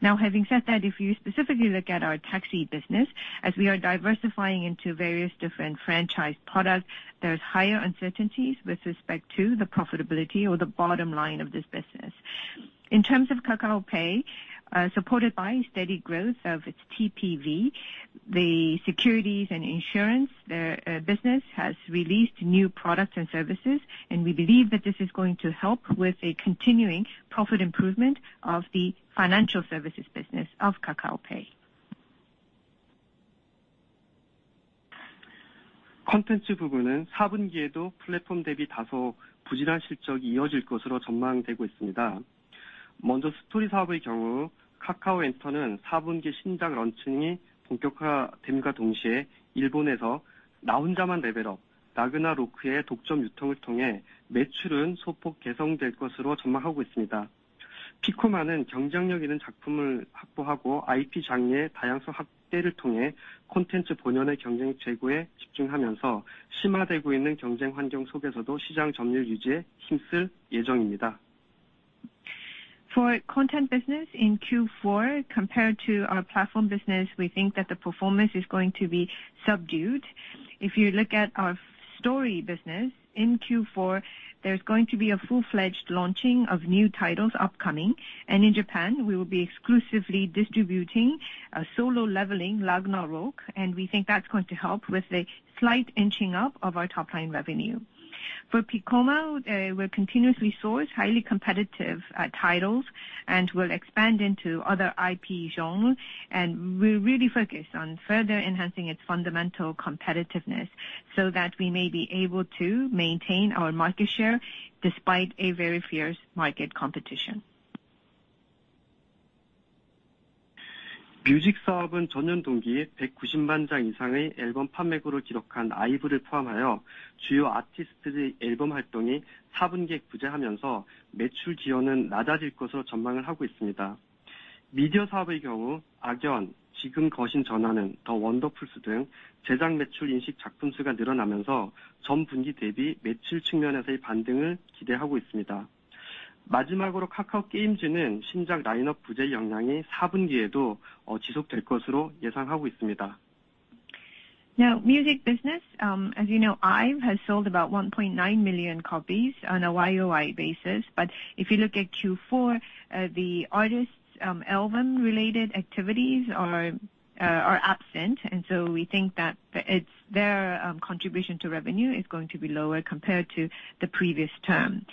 Now, having said that, if you specifically look at our taxi business, as we are diversifying into various different franchise products, there's higher uncertainties with respect to the profitability or the bottom line of this business. In terms of KakaoPay, supported by steady growth of its TPV, the securities and insurance business has released new products and services, and we believe that this is going to help with a continuing profit improvement of the financial services business of KakaoPay. 콘텐츠 부분은 4분기에도 플랫폼 대비 다소 부진한 실적이 이어질 것으로 전망되고 있습니다. 먼저 스토리 사업의 경우 카카오엔터는 4분기 신작 런칭이 본격화됨과 동시에 일본에서 나 혼자만 레벨업, 라그나로크의 독점 유통을 통해 매출은 소폭 개선될 것으로 전망하고 있습니다. 피코마는 경쟁력 있는 작품을 확보하고 IP 장르의 다양성 확대를 통해 콘텐츠 본연의 경쟁 최고에 집중하면서 심화되고 있는 경쟁 환경 속에서도 시장 점유율 유지에 힘쓸 예정입니다. For Content business in Q4, compared to our platform business, we think that the performance is going to be subdued. If you look at our story business, in Q4, there's going to be a full-fledged launching of new titles upcoming. And in Japan, we will be exclusively distributing Solo Leveling: Ragnarok, and we think that's going to help with a slight inching up of our top-line revenue. For Piccoma, we'll continuously source highly competitive titles and will expand into other IP genres, and we're really focused on further enhancing its fundamental competitiveness so that we may be able to maintain our market share despite a very fierce market competition. 뮤직 사업은 전년 동기 190만 장 이상의 앨범 판매고를 기록한 IVE를 포함하여 주요 아티스트들의 앨범 활동이 4분기에 부재하면서 매출 지원은 낮아질 것으로 전망하고 있습니다. 미디어 사업의 경우 Karma, When the Phone Rings, The Wonderfools 등 제작 매출 인식 작품 수가 늘어나면서 전분기 대비 매출 측면에서의 반등을 기대하고 있습니다. 마지막으로 Kakao Games는 신작 라인업 부재 영향이 4분기에도 지속될 것으로 예상하고 있습니다. Now, music business, as you know, IVE has sold about 1.9 million copies on a YoY basis, but if you look at Q4, the artist's album-related activities are absent, and so we think that their contribution to revenue is going to be lower compared to the previous term.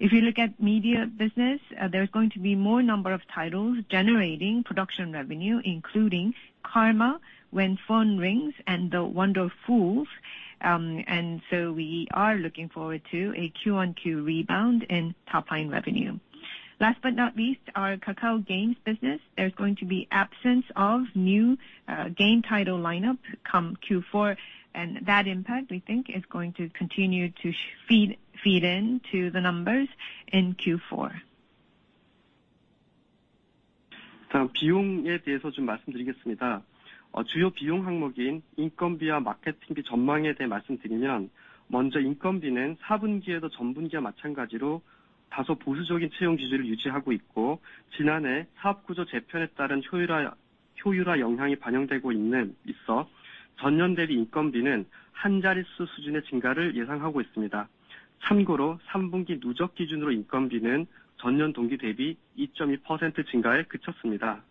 If you look at media business, there's going to be more number of titles generating production revenue, including Karma, When the Phone Rings, and The Wonderfools, and so we are looking forward to a Q1 QoQ rebound in top-line revenue. Last but not least, our Kakao Games business, there's going to be absence of new game title lineup come Q4, and that impact we think is going to continue to feed into the numbers in Q4. 다음 비용에 대해서 좀 말씀드리겠습니다. 주요 비용 항목인 인건비와 마케팅비 전망에 대해 말씀드리면, 먼저 인건비는 4분기에도 전분기와 마찬가지로 다소 보수적인 채용 기준을 유지하고 있고, 지난해 사업 구조 재편에 따른 효율화 영향이 반영되고 있어 전년 대비 인건비는 한 자릿수 수준의 증가를 예상하고 있습니다. 참고로 3분기 누적 기준으로 인건비는 전년 동기 대비 2.2% 증가에 그쳤습니다.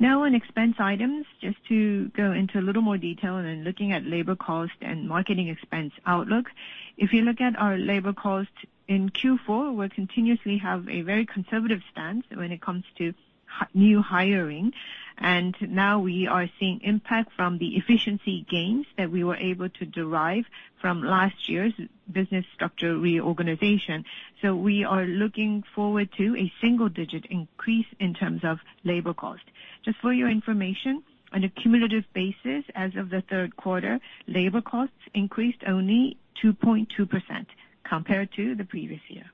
Now, on expense items, just to go into a little more detail and looking at labor cost and marketing expense outlook, if you look at our labor cost in Q4, we'll continuously have a very conservative stance when it comes to new hiring, and now we are seeing impact from the efficiency gains that we were able to derive from last year's business structure reorganization. So we are looking forward to a single-digit increase in terms of labor cost. Just for your information, on a cumulative basis, as of the Q3, labor costs increased only 2.2% compared to the previous year.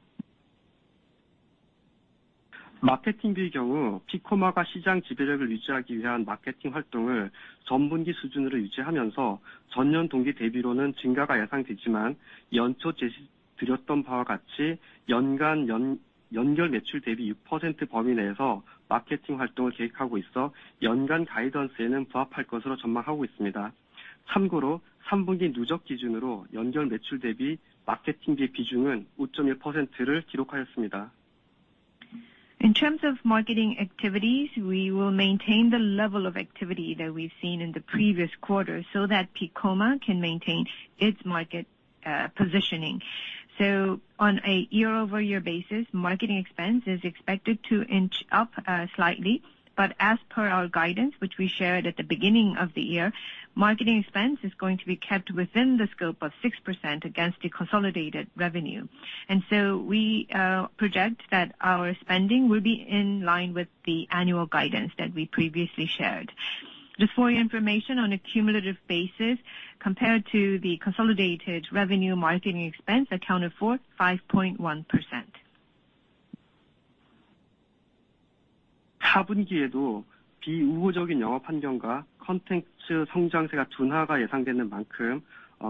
마케팅비의 경우 피코마가 시장 지배력을 유지하기 위한 마케팅 활동을 전분기 수준으로 유지하면서 전년 동기 대비로는 증가가 예상되지만 연초 제시드렸던 바와 같이 연간 연결 매출 대비 6% 범위 내에서 마케팅 활동을 계획하고 있어 연간 가이던스에는 부합할 것으로 전망하고 있습니다. 참고로 3분기 누적 기준으로 연결 매출 대비 마케팅비 비중은 5.1%를 기록하였습니다. In terms of marketing activities, we will maintain the level of activity that we've seen in the previous quarter so that Piccoma can maintain its market positioning. So on a year-over-year basis, marketing expense is expected to inch up slightly, but as per our guidance, which we shared at the beginning of the year, marketing expense is going to be kept within the scope of 6% against the consolidated revenue. And so we project that our spending will be in line with the annual guidance that we previously shared. Just for your information, on a cumulative basis, compared to the consolidated revenue, marketing expense accounted for 5.1%. 4분기에도 비우호적인 영업 환경과 콘텐츠 성장세가 둔화가 예상되는 만큼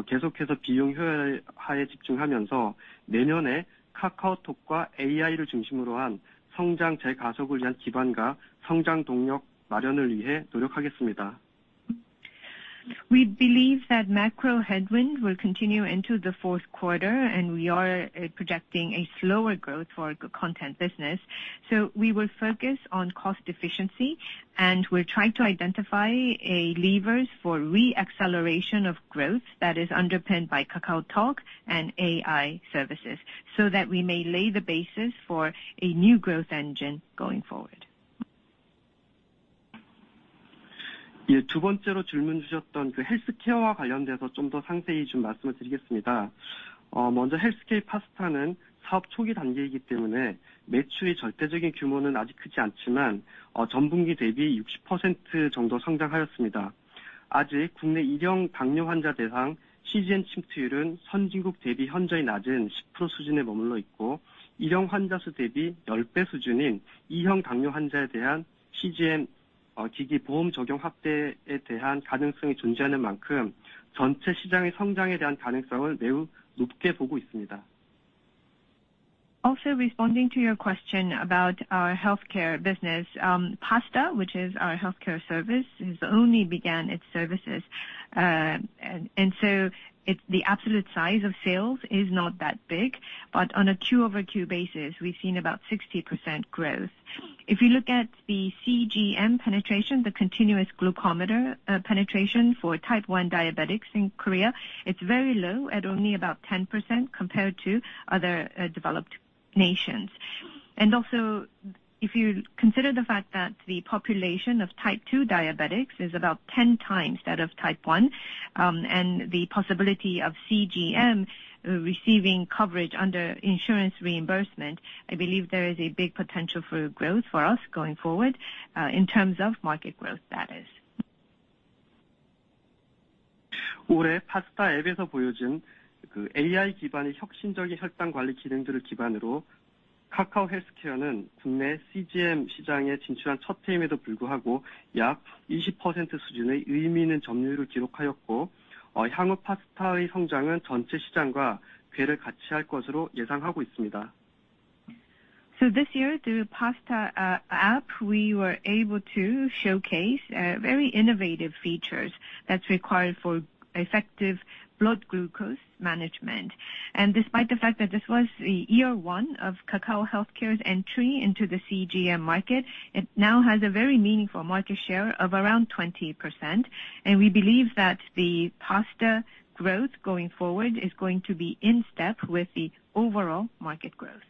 계속해서 비용 효율화에 집중하면서 내년에 카카오톡과 AI를 중심으로 한 성장 재가속을 위한 기반과 성장 동력 마련을 위해 노력하겠습니다. We believe that macro headwind will continue into the Q4, and we are projecting a slower growth for the Content business. So, we will focus on cost efficiency, and we'll try to identify levers for re-acceleration of growth that is underpinned by KakaoTalk and AI services so that we may lay the basis for a new growth engine going forward. 두 번째로 질문 주셨던 헬스케어와 관련돼서 좀더 상세히 말씀을 드리겠습니다. 먼저 헬스케어 파스타는 사업 초기 단계이기 때문에 매출의 절대적인 규모는 아직 크지 않지만 전분기 대비 60% 정도 성장하였습니다. 아직 국내 1형 당뇨 환자 대상 CGM 침투율은 선진국 대비 현저히 낮은 10% 수준에 머물러 있고, 1형 환자 수 대비 10배 수준인 2형 당뇨 환자에 대한 CGM 기기 보험 적용 확대에 대한 가능성이 존재하는 만큼 전체 시장의 성장에 대한 가능성을 매우 높게 보고 있습니다. Also, responding to your question about our healthcare business, PASTA, which is our healthcare service, has only begun its services, and so the absolute size of sales is not that big, but on a QoQ basis, we've seen about 60% growth. If you look at the CGM penetration, the continuous glucometer penetration for type 1 diabetics in Korea, it's very low at only about 10% compared to other developed nations. Also, if you consider the fact that the population of type 2 diabetics is about 10 times that of type 1, and the possibility of CGM receiving coverage under insurance reimbursement, I believe there is a big potential for growth for us going forward in terms of market growth status. 올해 파스타 앱에서 보여준 AI 기반의 혁신적인 혈당 관리 기능들을 기반으로 카카오 헬스케어는 국내 CGM 시장에 진출한 첫 해임에도 불구하고 약 20% 수준의 의미 있는 점유율을 기록하였고, 향후 파스타의 성장은 전체 시장과 궤를 같이 할 것으로 예상하고 있습니다. This year, through PASTA app, we were able to showcase very innovative features that's required for effective blood glucose management. Despite the fact that this was the year one of Kakao Healthcare's entry into the CGM market, it now has a very meaningful market share of around 20%, and we believe that the PASTA growth going forward is going to be in step with the overall market growth.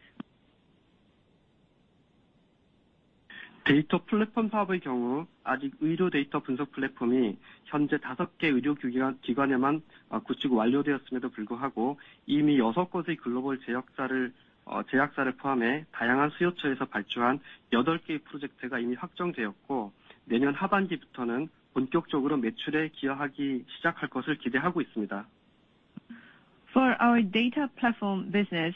데이터 플랫폼 사업의 경우 아직 의료 데이터 분석 플랫폼이 현재 5개 의료 기관에만 구축 완료되었음에도 불구하고 이미 6곳의 글로벌 제약사를 포함해 다양한 수요처에서 발주한 8개의 프로젝트가 이미 확정되었고, 내년 하반기부터는 본격적으로 매출에 기여하기 시작할 것을 기대하고 있습니다. For our data platform business,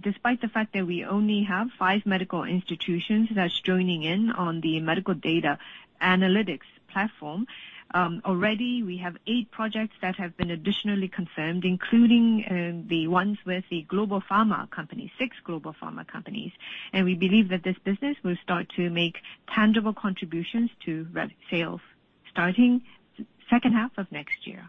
despite the fact that we only have five medical institutions that's joining in on the medical data analytics platform, already we have eight projects that have been additionally confirmed, including the ones with the global pharma companies, six global pharma companies, and we believe that this business will start to make tangible contributions to sales starting second half of next year.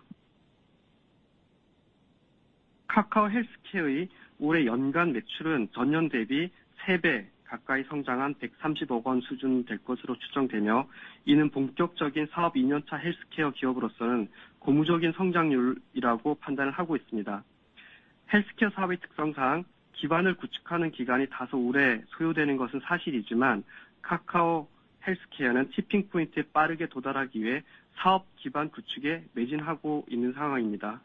카카오 헬스케어의 올해 연간 매출은 전년 대비 3배 가까이 성장한 130억 원 수준이 될 것으로 추정되며, 이는 본격적인 사업 2년 차 헬스케어 기업으로서는 고무적인 성장률이라고 판단하고 있습니다. 헬스케어 사업의 특성상 기반을 구축하는 기간이 다소 오래 소요되는 것은 사실이지만, 카카오 헬스케어는 티핑 포인트에 빠르게 도달하기 위해 사업 기반 구축에 매진하고 있는 상황입니다.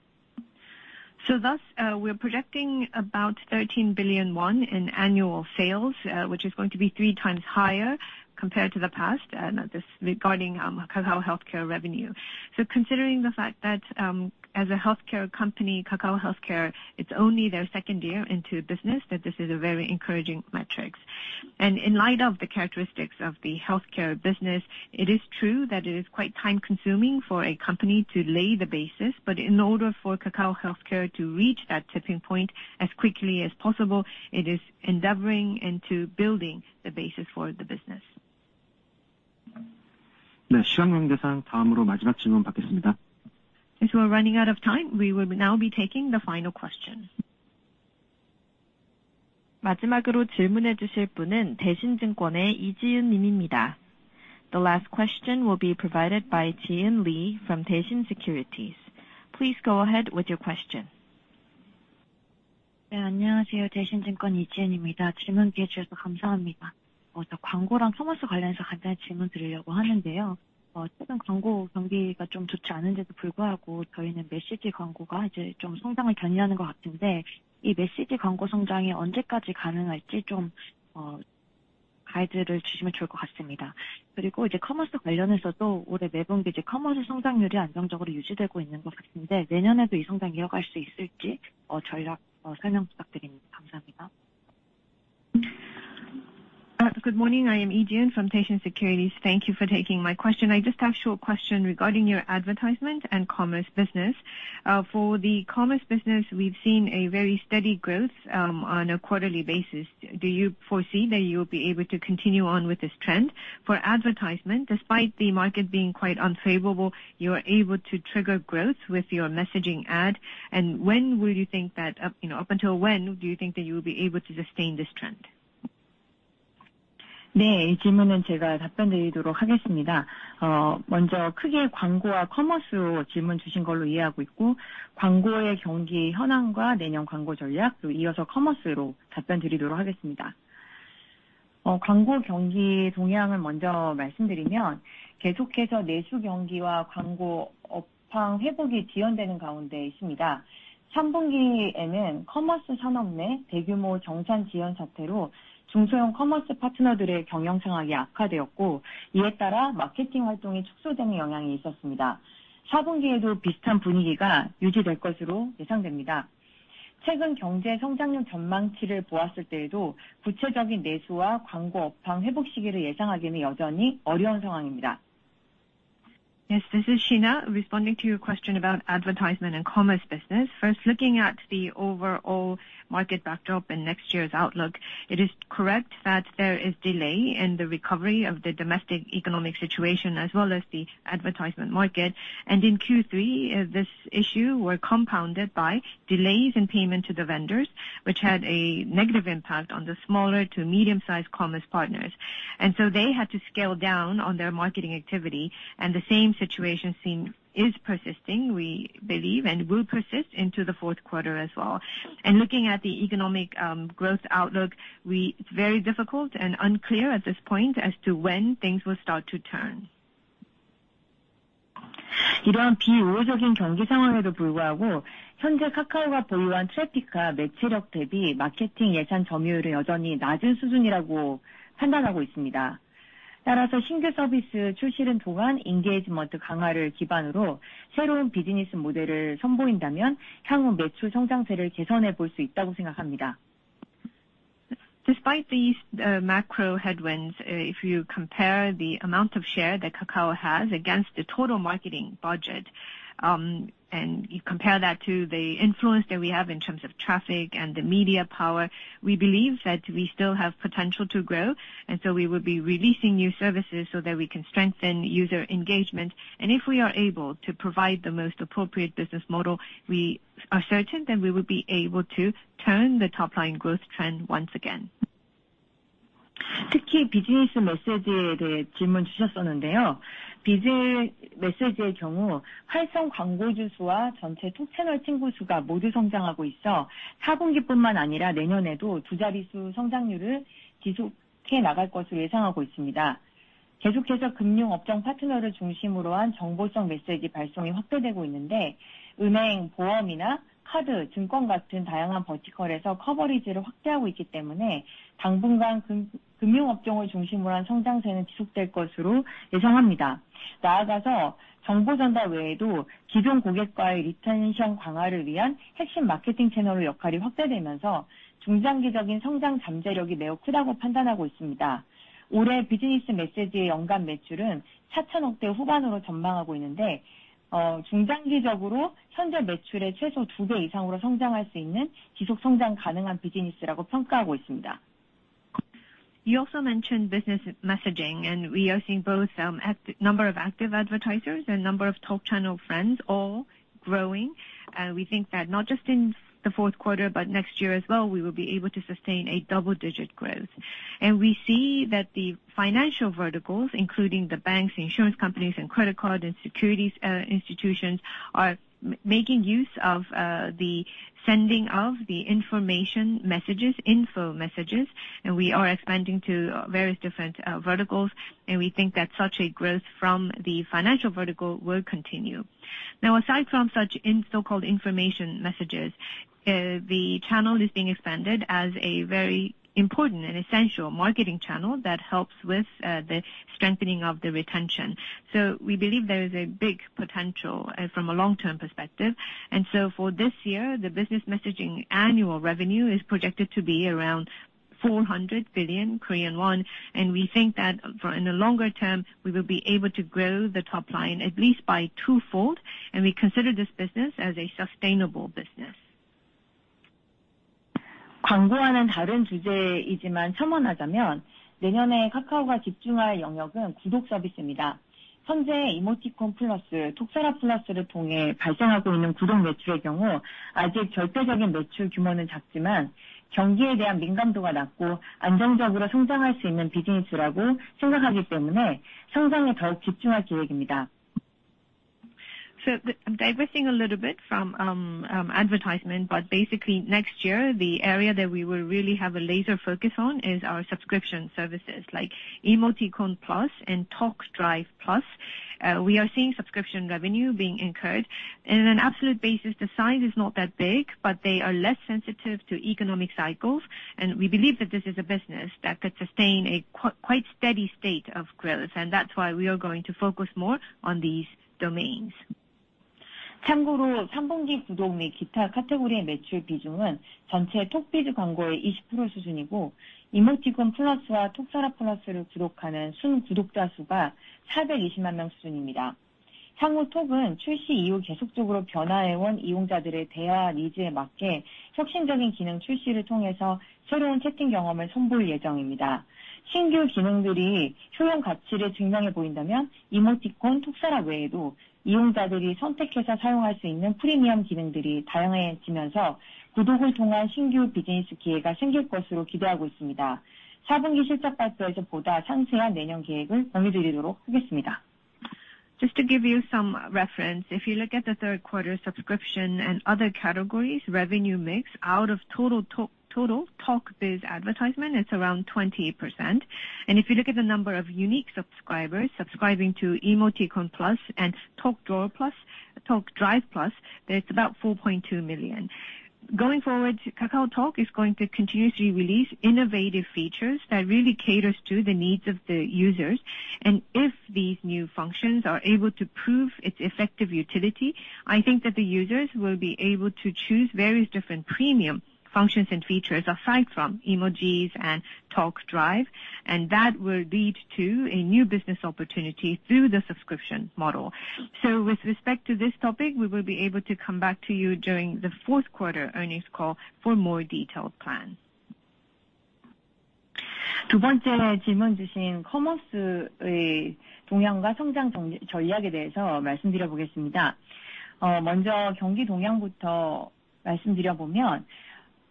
Thus, we're projecting about 13 billion won in annual sales, which is going to be three times higher compared to the past regarding Kakao Healthcare revenue. So considering the fact that as a healthcare company, Kakao Healthcare, it's only their second year into business, that this is a very encouraging metric. And in light of the characteristics of the healthcare business, it is true that it is quite time-consuming for a company to lay the basis, but in order for Kakao Healthcare to reach that tipping point as quickly as possible, it is endeavoring into building the basis for the business. 시간 관계상 다음으로 마지막 질문 받겠습니다. As we're running out of time, we will now be taking the final question. 마지막으로 질문해 주실 분은 대신증권의 이지은 님입니다. The last question will be provided by Ji-eun Lee from Daeshin Securities. Please go ahead with your question. 안녕하세요, 대신증권 이지은입니다. 질문 기회 주셔서 감사합니다. 광고랑 커머스 관련해서 간단히 질문 드리려고 하는데요. 최근 광고 경기가 좀 좋지 않은데도 불구하고 저희는 메시지 광고가 이제 좀 성장을 견인하는 것 같은데, 이 메시지 광고 성장이 언제까지 가능할지 좀 가이드를 주시면 좋을 것 같습니다. 그리고 이제 커머스 관련해서도 올해 매분기 커머스 성장률이 안정적으로 유지되고 있는 것 같은데, 내년에도 이 성장 이어갈 수 있을지 전략 설명 부탁드립니다. 감사합니다. Good morning, I am Lee Jee-eun from Daeshin Securities. Thank you for taking my question. I just have a short question regarding your advertisement and commerce business. For the commerce business, we've seen a very steady growth on a quarterly basis. Do you foresee that you will be able to continue on with this trend? For advertisement, despite the market being quite unfavorable, you're able to trigger growth with your messaging ad, and when will you think that, you know, up until when do you think that you will be able to sustain this trend? 네, 이 질문은 제가 답변 드리도록 하겠습니다. 먼저 크게 광고와 커머스로 질문 주신 걸로 이해하고 있고, 광고의 경기 현황과 내년 광고 전략, 그리고 이어서 커머스로 답변 드리도록 하겠습니다. 광고 경기 동향을 먼저 말씀드리면, 계속해서 내수 경기와 광고 업황 회복이 지연되는 가운데 있습니다. 3분기에는 커머스 산업 내 대규모 정산 지연 사태로 중소형 커머스 파트너들의 경영 상황이 악화되었고, 이에 따라 마케팅 활동이 축소되는 영향이 있었습니다. 4분기에도 비슷한 분위기가 유지될 것으로 예상됩니다. 최근 경제 성장률 전망치를 보았을 때에도 구체적인 내수와 광고 업황 회복 시기를 예상하기는 여전히 어려운 상황입니다. Yes, this is Shina, responding to your question about advertisement and commerce business. First, looking at the overall market backdrop and next year's outlook, it is correct that there is delay in the recovery of the domestic economic situation as well as the advertisement market. And in Q3, this issue was compounded by delays in payment to the vendors, which had a negative impact on the smaller to medium-sized commerce partners. And so they had to scale down on their marketing activity, and the same situation is persisting, we believe, and will persist into the Q4 as well. And looking at the economic growth outlook, it's very difficult and unclear at this point as to when things will start to turn. 이러한 비우호적인 경기 상황에도 불구하고 현재 카카오가 보유한 트래픽과 매체력 대비 마케팅 예산 점유율은 여전히 낮은 수준이라고 판단하고 있습니다. 따라서 신규 서비스 출시를 통한 인게이지먼트 강화를 기반으로 새로운 비즈니스 모델을 선보인다면 향후 매출 성장세를 개선해 볼수 있다고 생각합니다. Despite these macro headwinds, if you compare the amount of share that Kakao has against the total marketing budget, and you compare that to the influence that we have in terms of traffic and the media power, we believe that we still have potential to grow. And so we will be releasing new services so that we can strengthen user engagement. And if we are able to provide the most appropriate business model, we are certain that we will be able to turn the top-line growth trend once again. 특히 비즈니스 메시지에 대해 질문 주셨었는데요. 비즈 메시지의 경우 활성 광고주 수와 전체 톡채널 친구 수가 모두 성장하고 있어 4분기뿐만 아니라 내년에도 두 자릿수 성장률을 지속해 나갈 것으로 예상하고 있습니다. 계속해서 금융 업종 파트너를 중심으로 한 정보성 메시지 발송이 확대되고 있는데, 은행, 보험이나 카드, 증권 같은 다양한 버티컬에서 커버리지를 확대하고 있기 때문에 당분간 금융 업종을 중심으로 한 성장세는 지속될 것으로 예상합니다. 나아가서 정보 전달 외에도 기존 고객과의 리텐션 강화를 위한 핵심 마케팅 채널의 역할이 확대되면서 중장기적인 성장 잠재력이 매우 크다고 판단하고 있습니다. 올해 비즈니스 메시지의 연간 매출은 4,000억 대 후반으로 전망하고 있는데, 중장기적으로 현재 매출의 최소 2배 이상으로 성장할 수 있는 지속 성장 가능한 비즈니스라고 평가하고 있습니다. You also mentioned business messaging, and we are seeing both a number of active advertisers and a number of top channel friends all growing. We think that not just in the Q4 but next year as well, we will be able to sustain a double-digit growth. And we see that the financial verticals, including the banks, insurance companies, and credit card institutions, are making use of the sending of the information messages, info messages, and we are expanding to various different verticals. And we think that such a growth from the financial vertical will continue. Now, aside from such so-called information messages, the channel is being expanded as a very important and essential marketing channel that helps with the strengthening of the retention. So we believe there is a big potential from a long-term perspective. And so for this year, the business messaging annual revenue is projected to be around 400 billion Korean won, and we think that in the longer term, we will be able to grow the top line at least by twofold, and we consider this business as a sustainable business. 광고와는 다른 주제이지만 첨언하자면 내년에 카카오가 집중할 영역은 구독 서비스입니다. 현재 이모티콘 플러스, 톡서랍 플러스를 통해 발생하고 있는 구독 매출의 경우 아직 절대적인 매출 규모는 작지만 경기에 대한 민감도가 낮고 안정적으로 성장할 수 있는 비즈니스라고 생각하기 때문에 성장에 더욱 집중할 계획입니다. I'm diverting a little bit from advertisement, but basically next year, the area that we will really have a laser focus on is our subscription services like Emoticon Plus and Talk Drive Plus. We are seeing subscription revenue being incurred. And on an absolute basis, the size is not that big, but they are less sensitive to economic cycles, and we believe that this is a business that could sustain a quite steady state of growth, and that's why we are going to focus more on these domains. 참고로 3분기 구독 및 기타 카테고리의 매출 비중은 전체 톡비즈 광고의 20% 수준이고, 이모티콘 플러스와 톡서랍 플러스를 구독하는 순 구독자 수가 420만 명 수준입니다. 향후 톡은 출시 이후 계속적으로 변화해 온 이용자들의 대화 니즈에 맞게 혁신적인 기능 출시를 통해서 새로운 채팅 경험을 선보일 예정입니다. 신규 기능들이 효용 가치를 증명해 보인다면 이모티콘, 톡서랍 외에도 이용자들이 선택해서 사용할 수 있는 프리미엄 기능들이 다양해지면서 구독을 통한 신규 비즈니스 기회가 생길 것으로 기대하고 있습니다. 4분기 실적 발표에서 보다 상세한 내년 계획을 공유드리도록 하겠습니다. Just to give you some reference, if you look at the Q3 subscription and other categories revenue mix out of total Talk Biz advertisement, it's around 20%. And if you look at the number of unique subscribers subscribing to Emoticon Plus and Talk Drive Plus, it's about 4.2 million. Going forward, KakaoTalk is going to continuously release innovative features that really cater to the needs of the users. And if these new functions are able to prove its effective utility, I think that the users will be able to choose various different premium functions and features aside from emojis and Talk Drive, and that will lead to a new business opportunity through the subscription model. So with respect to this topic, we will be able to come back to you during the Q4 earnings call for more detailed plans. 두 번째 질문 주신 커머스의 동향과 성장 전략에 대해서 말씀드려보겠습니다. 먼저 경기 동향부터 말씀드려보면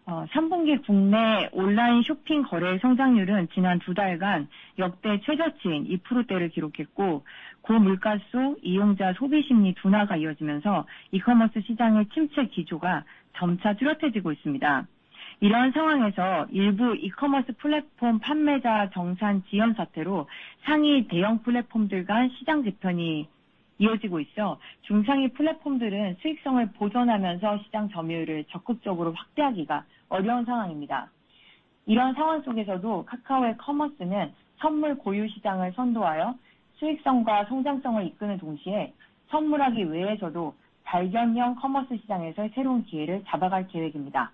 3분기 국내 온라인 쇼핑 거래 성장률은 지난 두 달간 역대 최저치인 2%대를 기록했고, 고물가 속 이용자 소비 심리 둔화가 이어지면서 이커머스 시장의 침체 기조가 점차 뚜렷해지고 있습니다. 이러한 상황에서 일부 이커머스 플랫폼 판매자 정산 지연 사태로 상위 대형 플랫폼들 간 시장 재편이 이어지고 있어 중상위 플랫폼들은 수익성을 보존하면서 시장 점유율을 적극적으로 확대하기가 어려운 상황입니다. 이러한 상황 속에서도 카카오의 커머스는 선물하기 시장을 선도하여 수익성과 성장성을 이끄는 동시에 선물하기 외에서도 발견형 커머스 시장에서의 새로운 기회를 잡아갈 계획입니다.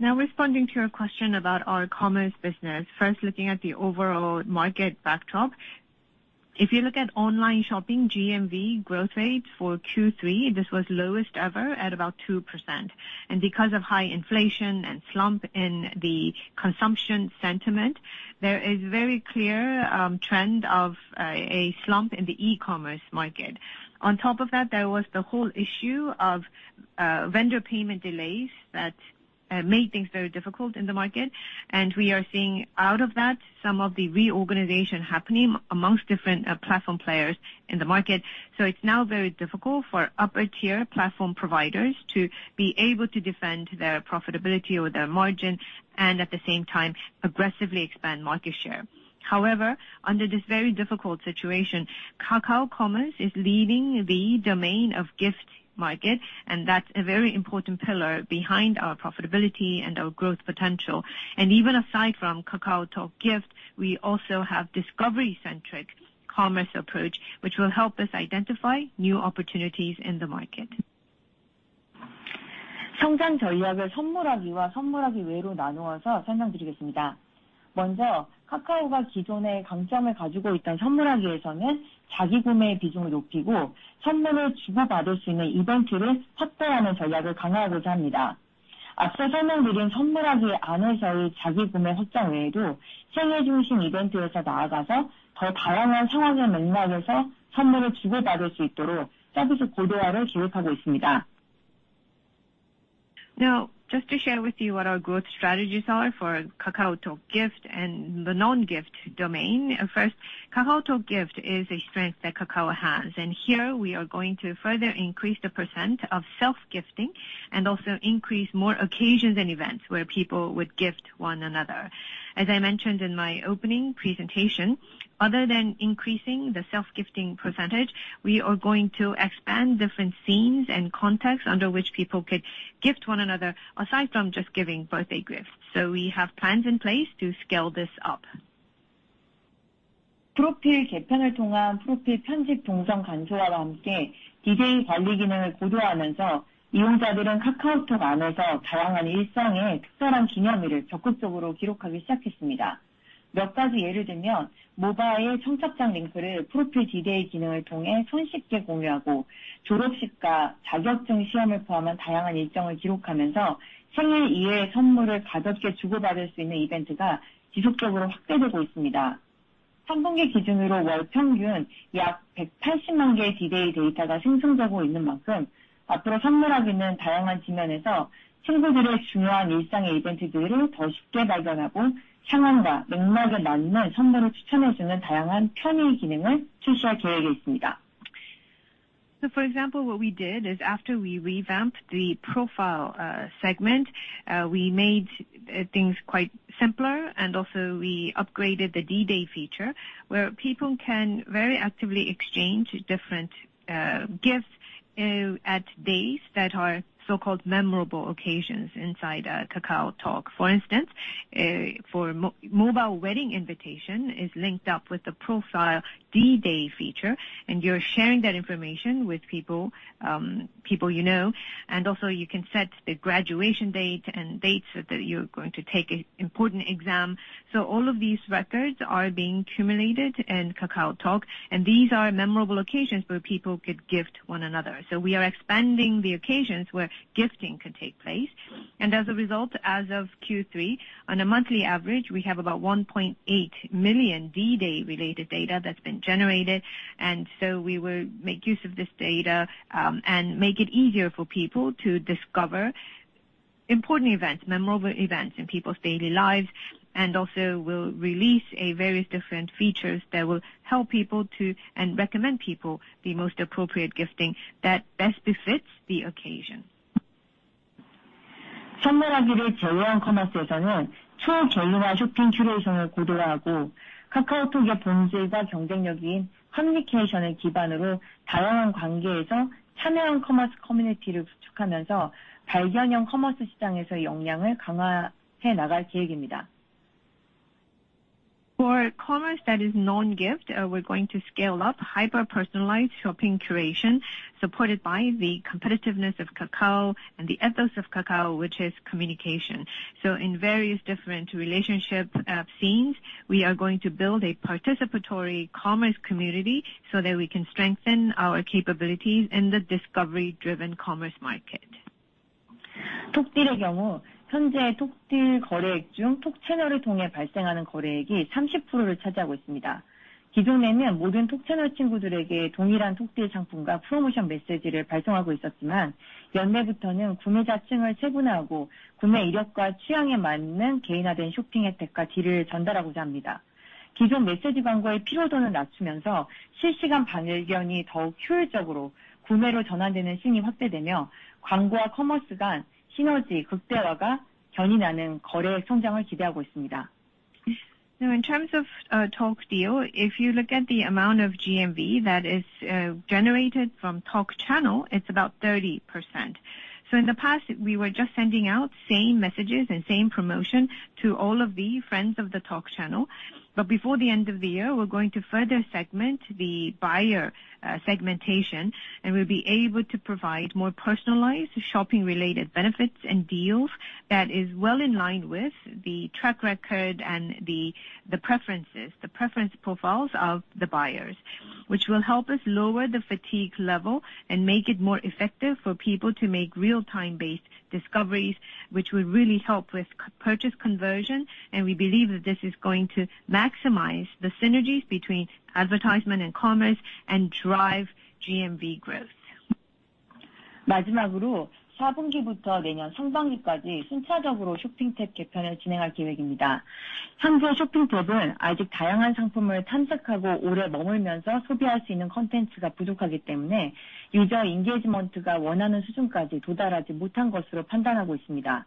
Now, responding to your question about our commerce business, first looking at the overall market backdrop, if you look at online shopping, GMV growth rates for Q3, this was lowest ever at about 2%. Because of high inflation and slump in the consumption sentiment, there is a very clear trend of a slump in the e-commerce market. On top of that, there was the whole issue of vendor payment delays that made things very difficult in the market, and we are seeing out of that some of the reorganization happening amongst different platform players in the market. So, it's now very difficult for upper-tier platform providers to be able to defend their profitability or their margin and at the same time aggressively expand market share. However, under this very difficult situation, Kakao Commerce is leading the domain of gift market, and that's a very important pillar behind our profitability and our growth potential. And even aside from KakaoTalk Gift, we also have discovery-centric commerce approach, which will help us identify new opportunities in the market. 성장 전략을 선물하기와 선물하기 외로 나누어서 설명드리겠습니다. 먼저 카카오가 기존의 강점을 가지고 있던 선물하기에서는 자기 구매 비중을 높이고 선물을 주고받을 수 있는 이벤트를 확대하는 전략을 강화하고자 합니다. 앞서 설명드린 선물하기 안에서의 자기 구매 확장 외에도 생애 중심 이벤트에서 나아가서 더 다양한 상황의 맥락에서 선물을 주고받을 수 있도록 서비스 고도화를 계획하고 있습니다. Now, just to share with you what our growth strategies are for KakaoTalk Gift and the non-gift domain. First, KakaoTalk Gift is a strength that Kakao has, and here we are going to further increase the percent of self-gifting and also increase more occasions and events where people would gift one another. As I mentioned in my opening presentation, other than increasing the self-gifting percentage, we are going to expand different scenes and contexts under which people could gift one another aside from just giving birthday gifts. So, we have plans in place to scale this up. 프로필 개편을 통한 프로필 편집 동선 간소화와 함께 D-Day 관리 기능을 고도화하면서 이용자들은 카카오톡 안에서 다양한 일상의 특별한 기념일을 적극적으로 기록하기 시작했습니다. 몇 가지 예를 들면 모바일 청첩장 링크를 프로필 D-Day 기능을 통해 손쉽게 공유하고 졸업식과 자격증 시험을 포함한 다양한 일정을 기록하면서 생일 이외의 선물을 가볍게 주고받을 수 있는 이벤트가 지속적으로 확대되고 있습니다. 3분기 기준으로 월 평균 약 180만 개의 D-Day 데이터가 생성되고 있는 만큼 앞으로 선물하기는 다양한 지면에서 친구들의 중요한 일상의 이벤트들을 더 쉽게 발견하고 상황과 맥락에 맞는 선물을 추천해 주는 다양한 편의 기능을 출시할 계획에 있습니다. So, for example, what we did is after we revamped the profile segment, we made things quite simpler, and also we upgraded the D-Day feature where people can very actively exchange different gifts at days that are so-called memorable occasions inside KakaoTalk. For instance, for mobile wedding invitation is linked up with the profile D-Day feature, and you're sharing that information with people you know, and also you can set the graduation date and dates that you're going to take an important exam. So, all of these records are being accumulated in KakaoTalk, and these are memorable occasions where people could gift one another. So, we are expanding the occasions where gifting could take place. And as a result, as of Q3, on a monthly average, we have about 1.8 million D-Day-related data that's been generated, and so we will make use of this data and make it easier for people to discover important events, memorable events in people's daily lives, and also we'll release various different features that will help people to and recommend people the most appropriate gifting that best befits the occasion. 선물하기를 제외한 커머스에서는 총 전류와 쇼핑 큐레이션을 고도화하고 카카오톡의 본질과 경쟁력인 커뮤니케이션을 기반으로 다양한 관계에서 참여형 커머스 커뮤니티를 구축하면서 발견형 커머스 시장에서의 역량을 강화해 나갈 계획입니다. For commerce that is non-gift, we're going to scale up hyper-personalized shopping curation supported by the competitiveness of KakaoTalk and the ethos of KakaoTalk, which is communication. So, in various different relationship scenes, we are going to build a participatory commerce community so that we can strengthen our capabilities in the discovery-driven commerce market. 톡딜의 경우 현재 톡딜 거래액 중 톡채널을 통해 발생하는 거래액이 30%를 차지하고 있습니다. 기존에는 모든 톡채널 친구들에게 동일한 톡딜 상품과 프로모션 메시지를 발송하고 있었지만 연내부터는 구매자 층을 세분화하고 구매 이력과 취향에 맞는 개인화된 쇼핑 혜택과 딜을 전달하고자 합니다. 기존 메시지 광고의 피로도는 낮추면서 실시간 발견이 더욱 효율적으로 구매로 전환되는 신규가 확대되며 광고와 커머스 간 시너지 극대화가 견인하는 거래액 성장을 기대하고 있습니다. Now, in terms of Talk Deal, if you look at the amount of GMV that is generated from Talk Channel, it's about 30%. So in the past, we were just sending out same messages and same promotion to all of the friends of the Talk Channel, but before the end of the year, we're going to further segment the buyer segmentation and we'll be able to provide more personalized shopping-related benefits and deals that are well in line with the track record and the preferences of the buyers, which will help us lower the fatigue level and make it more effective for people to make real-time-based discoveries, which will really help with purchase conversion, and we believe that this is going to maximize the synergies between advertisement and commerce and drive GMV growth. 마지막으로 4분기부터 내년 상반기까지 순차적으로 쇼핑 탭 개편을 진행할 계획입니다. 현재 쇼핑 탭은 아직 다양한 상품을 탐색하고 오래 머물면서 소비할 수 있는 콘텐츠가 부족하기 때문에 유저 인게이지먼트가 원하는 수준까지 도달하지 못한 것으로 판단하고 있습니다.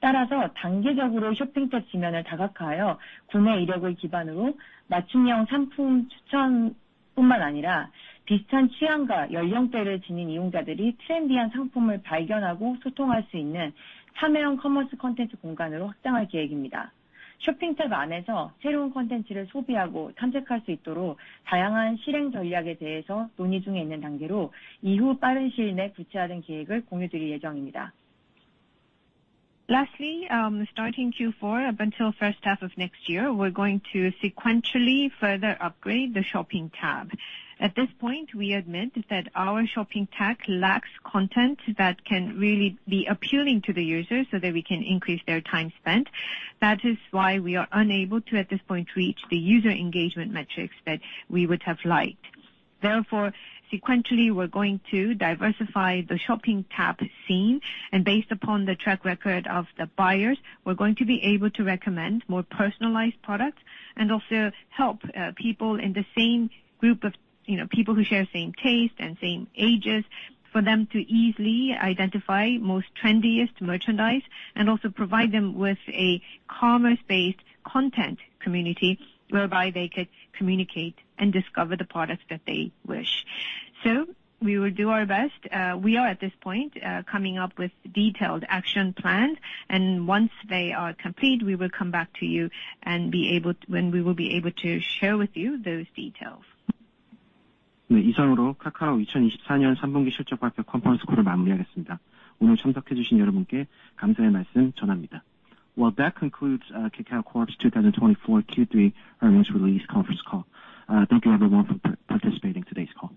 따라서 단계적으로 쇼핑 탭 지면을 다각화하여 구매 이력을 기반으로 맞춤형 상품 추천뿐만 아니라 비슷한 취향과 연령대를 지닌 이용자들이 트렌디한 상품을 발견하고 소통할 수 있는 참여형 커머스 콘텐츠 공간으로 확장할 계획입니다. 쇼핑 탭 안에서 새로운 콘텐츠를 소비하고 탐색할 수 있도록 다양한 실행 전략에 대해서 논의 중에 있는 단계로 이후 빠른 시일 내 구체화된 계획을 공유드릴 예정입니다. Lastly, starting Q4, up until first half of next year, we're going to sequentially further upgrade the Shopping Tab. At this point, we admit that our Shopping Tab lacks content that can really be appealing to the users so that we can increase their time spent. That is why we are unable to, at this point, reach the user engagement metrics that we would have liked. Therefore, sequentially, we're going to diversify the shopping tab scene, and based upon the track record of the buyers, we're going to be able to recommend more personalized products and also help people in the same group of people who share the same taste and same ages for them to easily identify the most trendiest merchandise and also provide them with a commerce-based content community whereby they could communicate and discover the products that they wish. So we will do our best. We are, at this point, coming up with detailed action plans, and once they are complete, we will come back to you and be able to, when we will be able to share with you those details. 네, 이상으로 카카오 2024년 3분기 실적 발표 컨퍼런스 콜을 마무리하겠습니다. 오늘 참석해 주신 여러분께 감사의 말씀 전합니다. Well, that concludes Kakao Corp's 2024 Q3 earnings release conference call. Thank you, everyone, for participating in today's call.